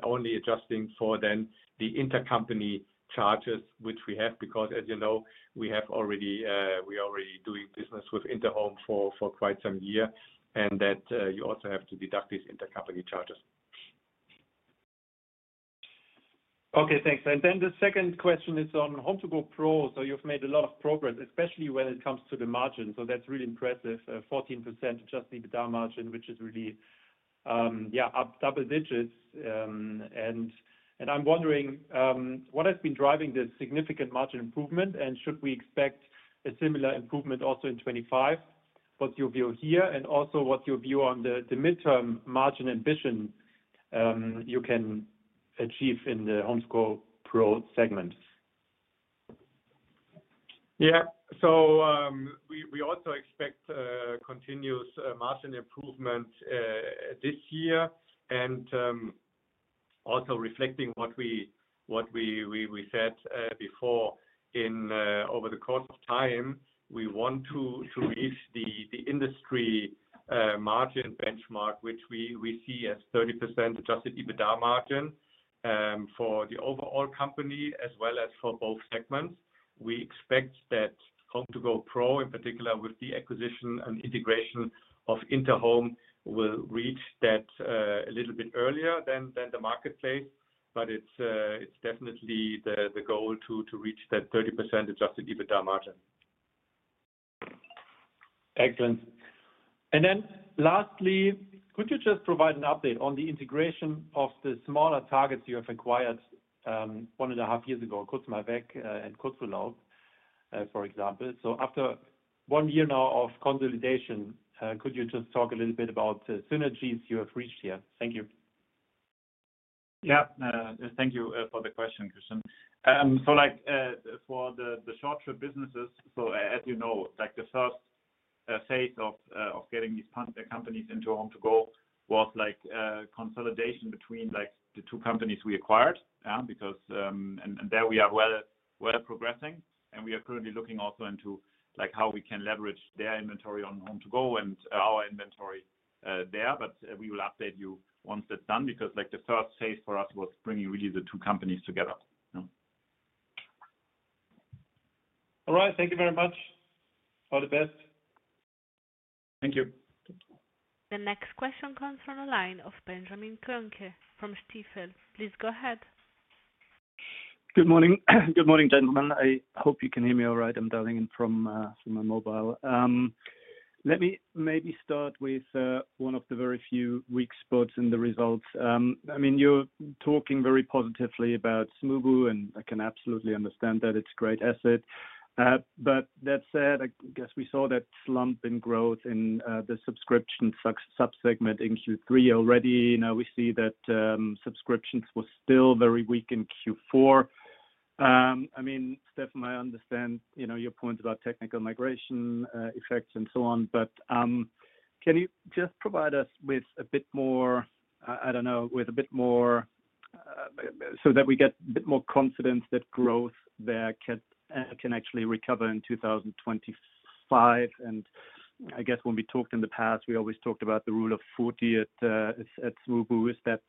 only adjusting for then the intercompany charges, which we have, because as you know, we are already doing business with Interhome for quite some year, and that you also have to deduct these intercompany charges. Okay. Thanks. The second question is on HomeToGo Pro. You've made a lot of progress, especially when it comes to the margin. That's really impressive. 14% adjusted EBITDA margin, which is really, yeah, up double digits. I'm wondering what has been driving this significant margin improvement, and should we expect a similar improvement also in 2025? What's your view here, and also what's your view on the midterm margin ambition you can achieve in the HomeToGo Pro segment? Yeah. We also expect continuous margin improvement this year. Also reflecting what we said before, over the course of time, we want to reach the industry margin benchmark, which we see as 30% adjusted EBITDA margin for the overall company as well as for both segments. We expect that HomeToGo Pro, in particular with the acquisition and integration of Interhome, will reach that a little bit earlier than the marketplace, but it's definitely the goal to reach that 30% adjusted EBITDA margin. Excellent. Lastly, could you just provide an update on the integration of the smaller targets you have acquired one and a half years ago, Kurz Mal Weg and Kurzurlaub, for example? After one year now of consolidation, could you just talk a little bit about the synergies you have reached here? Thank you. Yeah. Thank you for the question, Christian. For the short-term businesses, as you know, the first phase of getting these companies into HomeToGo was consolidation between the two companies we acquired, because there we are well progressing, and we are currently looking also into how we can leverage their inventory on HomeToGo and our inventory there. We will update you once that's done, because the first phase for us was bringing really the two companies together. All right. Thank you very much. All the best. Thank you. The next question comes from the line of Benjamin Kohnke from Stifel. Please go ahead. Good morning. Good morning, gentlemen. I hope you can hear me all right. I'm dialing in from my mobile. Let me maybe start with one of the very few weak spots in the results. I mean, you're talking very positively about Smoobu, and I can absolutely understand that it's a great asset. That said, I guess we saw that slump in growth in the subscription subsegment in Q3 already. Now we see that subscriptions were still very weak in Q4. I mean, Steffen, I understand your points about technical migration effects and so on, but can you just provide us with a bit more, I don't know, with a bit more so that we get a bit more confidence that growth there can actually recover in 2025? I guess when we talked in the past, we always talked about the rule of 40 at Smoobu. Is that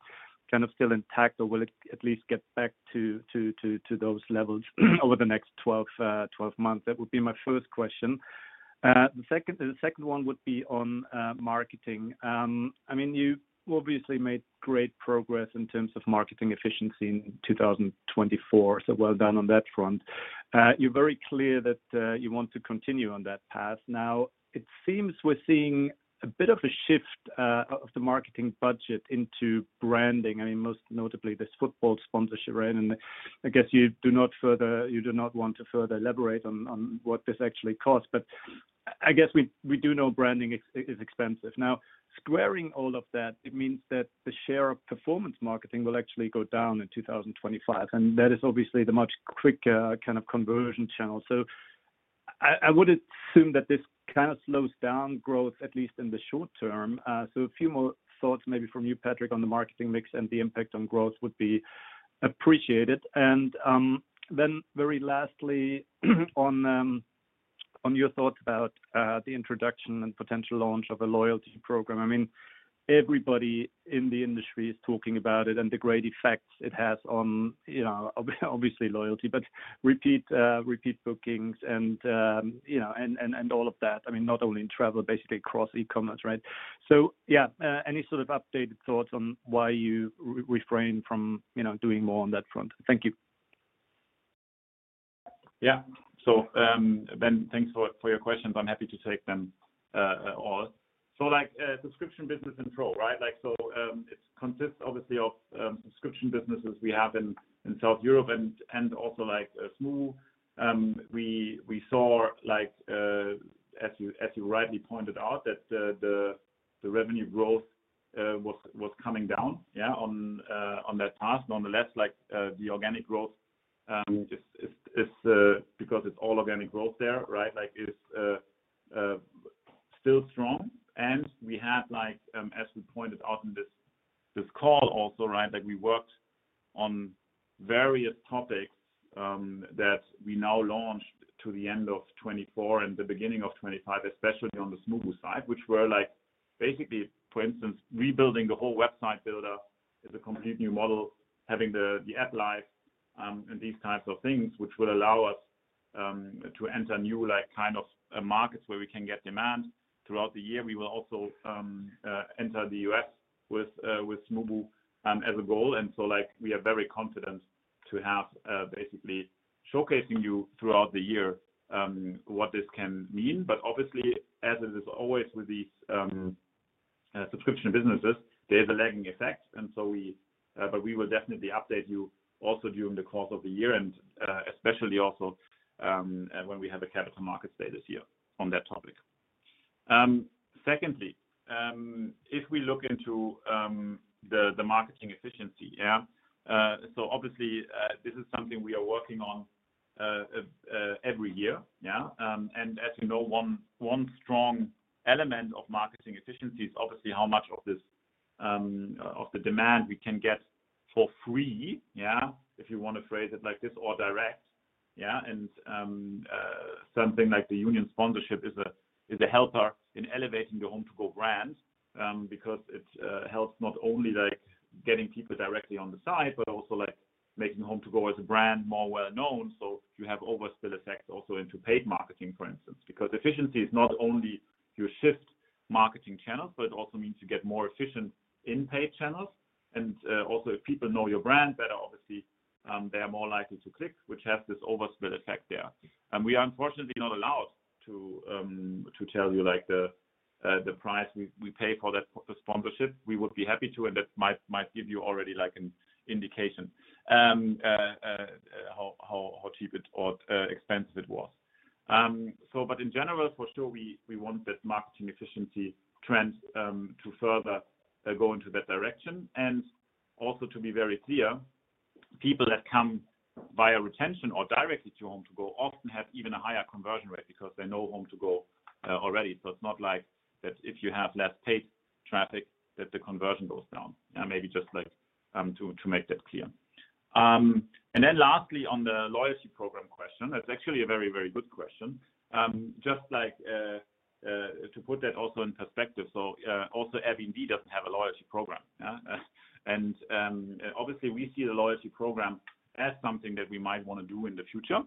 kind of still intact, or will it at least get back to those levels over the next 12 months? That would be my first question. The second one would be on marketing. I mean, you obviously made great progress in terms of marketing efficiency in 2024, so well done on that front. You're very clear that you want to continue on that path. Now, it seems we're seeing a bit of a shift of the marketing budget into branding. I mean, most notably, this football sponsorship, right? I guess you do not want to further elaborate on what this actually costs, but I guess we do know branding is expensive. Now, squaring all of that, it means that the share of performance marketing will actually go down in 2025, and that is obviously the much quicker kind of conversion channel. I would assume that this kind of slows down growth, at least in the short term. A few more thoughts maybe from you, Patrick, on the marketing mix and the impact on growth would be appreciated. Then very lastly, on your thoughts about the introduction and potential launch of a loyalty program, I mean, everybody in the industry is talking about it and the great effects it has on, obviously, loyalty, but repeat bookings and all of that. I mean, not only in travel, basically across e-commerce, right? Any sort of updated thoughts on why you refrain from doing more on that front? Thank you. Yeah, thanks for your questions. I'm happy to take them all. Subscription business in Pro, right? It consists obviously of subscription businesses we have in South Europe and also Smoobu. We saw, as you rightly pointed out, that the revenue growth was coming down, yeah, on that path. Nonetheless, the organic growth is, because it's all organic growth there, right, is still strong. We had, as we pointed out in this call also, right, we worked on various topics that we now launched to the end of 2024 and the beginning of 2025, especially on the Smoobu side, which were basically, for instance, rebuilding the whole website builder, it's a complete new model, having the app live, and these types of things, which will allow us to enter new kind of markets where we can get demand throughout the year. We will also enter the U.S. with Smoobu as a goal. We are very confident to have basically showcasing you throughout the year what this can mean. Obviously, as it is always with these subscription businesses, there's a lagging effect. We will definitely update you also during the course of the year, and especially also when we have a capital markets day here on that topic. Secondly, if we look into the marketing efficiency, yeah, so obviously, this is something we are working on every year, yeah. As you know, one strong element of marketing efficiency is obviously how much of the demand we can get for free, yeah, if you want to phrase it like this, or direct, yeah, and something like the Union sponsorship is a helper in elevating the HomeToGo brand because it helps not only getting people directly on the site, but also making HomeToGo as a brand more well-known. You have overspill effects also into paid marketing, for instance, because efficiency is not only you shift marketing channels, but it also means you get more efficient in paid channels. If people know your brand better, obviously, they are more likely to click, which has this overspill effect there. We are unfortunately not allowed to tell you the price we pay for that sponsorship. We would be happy to, and that might give you already an indication how cheap or expensive it was. In general, for sure, we want that marketing efficiency trend to further go into that direction. Also, to be very clear, people that come via retention or directly to HomeToGo often have even a higher conversion rate because they know HomeToGo already. It is not like that if you have less paid traffic, the conversion goes down. Maybe just to make that clear. Lastly, on the loyalty program question, that's actually a very, very good question. Just to put that also in perspective, also Airbnb doesn't have a loyalty program. Obviously, we see the loyalty program as something that we might want to do in the future.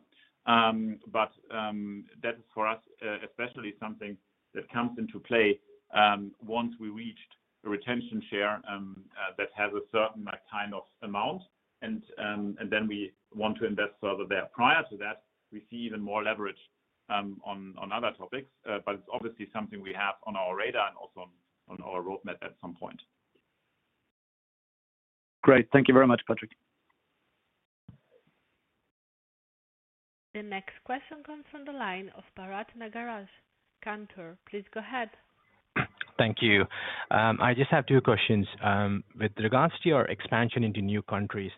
That is for us especially something that comes into play once we reached a retention share that has a certain kind of amount, and then we want to invest further there. Prior to that, we see even more leverage on other topics, but it's obviously something we have on our radar and also on our roadmap at some point. Great. Thank you very much, Patrick. The next question comes from the line of Bharath Nagaraj, Cantor. Please go ahead. Thank you. I just have two questions. With regards to your expansion into new countries,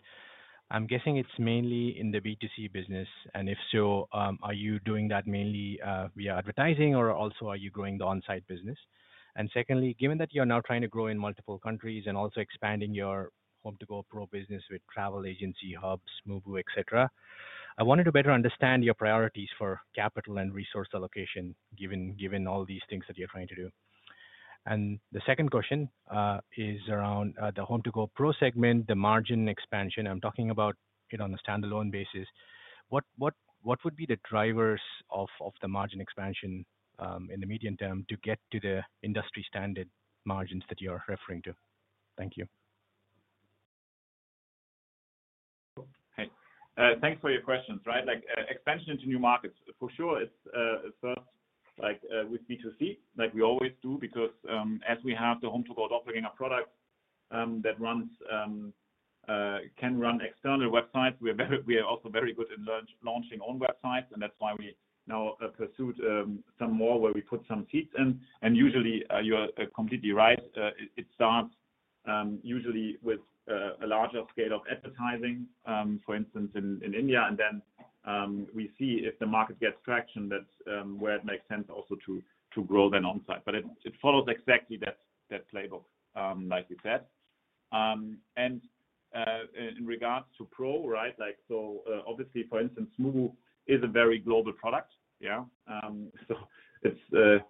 I'm guessing it's mainly in the B2C business. If so, are you doing that mainly via advertising, or also are you growing the on-site business? Secondly, given that you're now trying to grow in multiple countries and also expanding your HomeToGo Pro business with travel agency hubs, Smoobu, etc., I wanted to better understand your priorities for capital and resource allocation given all these things that you're trying to do. The second question is around the HomeToGo Pro segment, the margin expansion. I'm talking about it on a standalone basis. What would be the drivers of the margin expansion in the medium term to get to the industry-standard margins that you're referring to? Thank you. Hey. Thanks for your questions, right? Expansion into new markets, for sure, it's first with B2C, like we always do, because as we have the HomeToGo adopting our products that can run external websites, we are also very good in launching own websites, and that's why we now pursued some more where we put some seeds in. Usually, you're completely right. It starts usually with a larger scale of advertising, for instance, in India, and then we see if the market gets traction where it makes sense also to grow then on-site. It follows exactly that playbook, like you said. In regards to Pro, right, for instance, Smoobu is a very global product, yeah? It's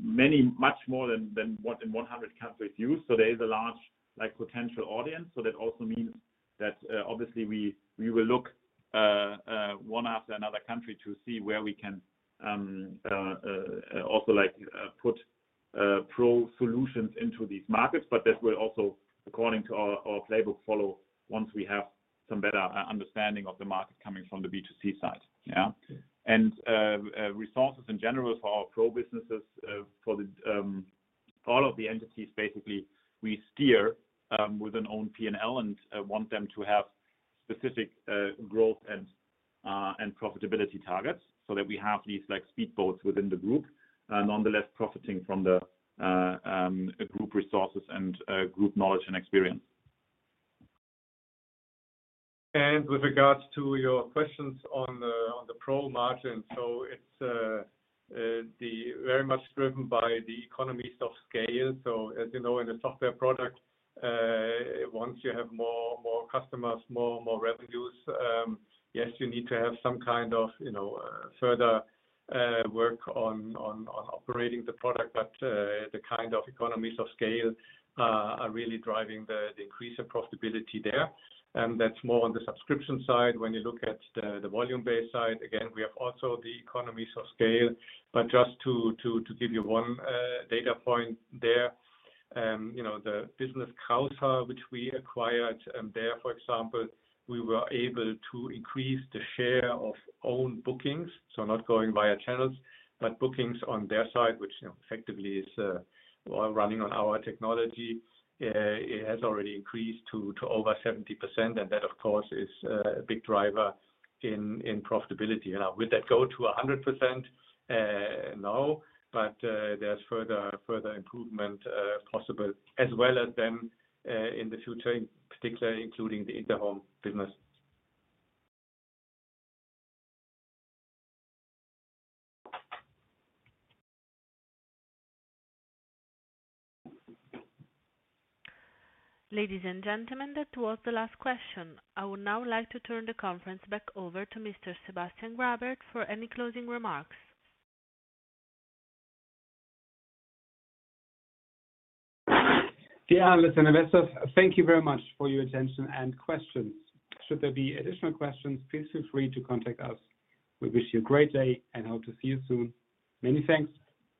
many much more than what in 100 countries use, so there is a large potential audience. That also means that obviously we will look one after another country to see where we can also put Pro solutions into these markets, but that will also, according to our playbook, follow once we have some better understanding of the market coming from the B2C side, yeah? Resources in general for our Pro businesses, for all of the entities, basically, we steer with an own P&L and want them to have specific growth and profitability targets so that we have these speed boats within the group, nonetheless profiting from the group resources and group knowledge and experience. With regards to your questions on the Pro margin, it is very much driven by the economies of scale. As you know, in a software product, once you have more customers, more revenues, yes, you need to have some kind of further work on operating the product, but the kind of economies of scale are really driving the increase in profitability there. That is more on the subscription side. When you look at the volume-based side, again, we have also the economies of scale. Just to give you one data point there, the business Casamundo, which we acquired there, for example, we were able to increase the share of own bookings, so not going via channels, but bookings on their side, which effectively is running on our technology, it has already increased to over 70%, and that, of course, is a big driver in profitability. Now, will that go to 100% now? There is further improvement possible as well as then in the future, in particular, including the Interhome business. Ladies and gentlemen, that was the last question. I would now like to turn the conference back over to Mr. Sebastian Grabert for any closing remarks. Dear listeners, thank you very much for your attention and questions. Should there be additional questions, please feel free to contact us. We wish you a great day and hope to see you soon. Many thanks.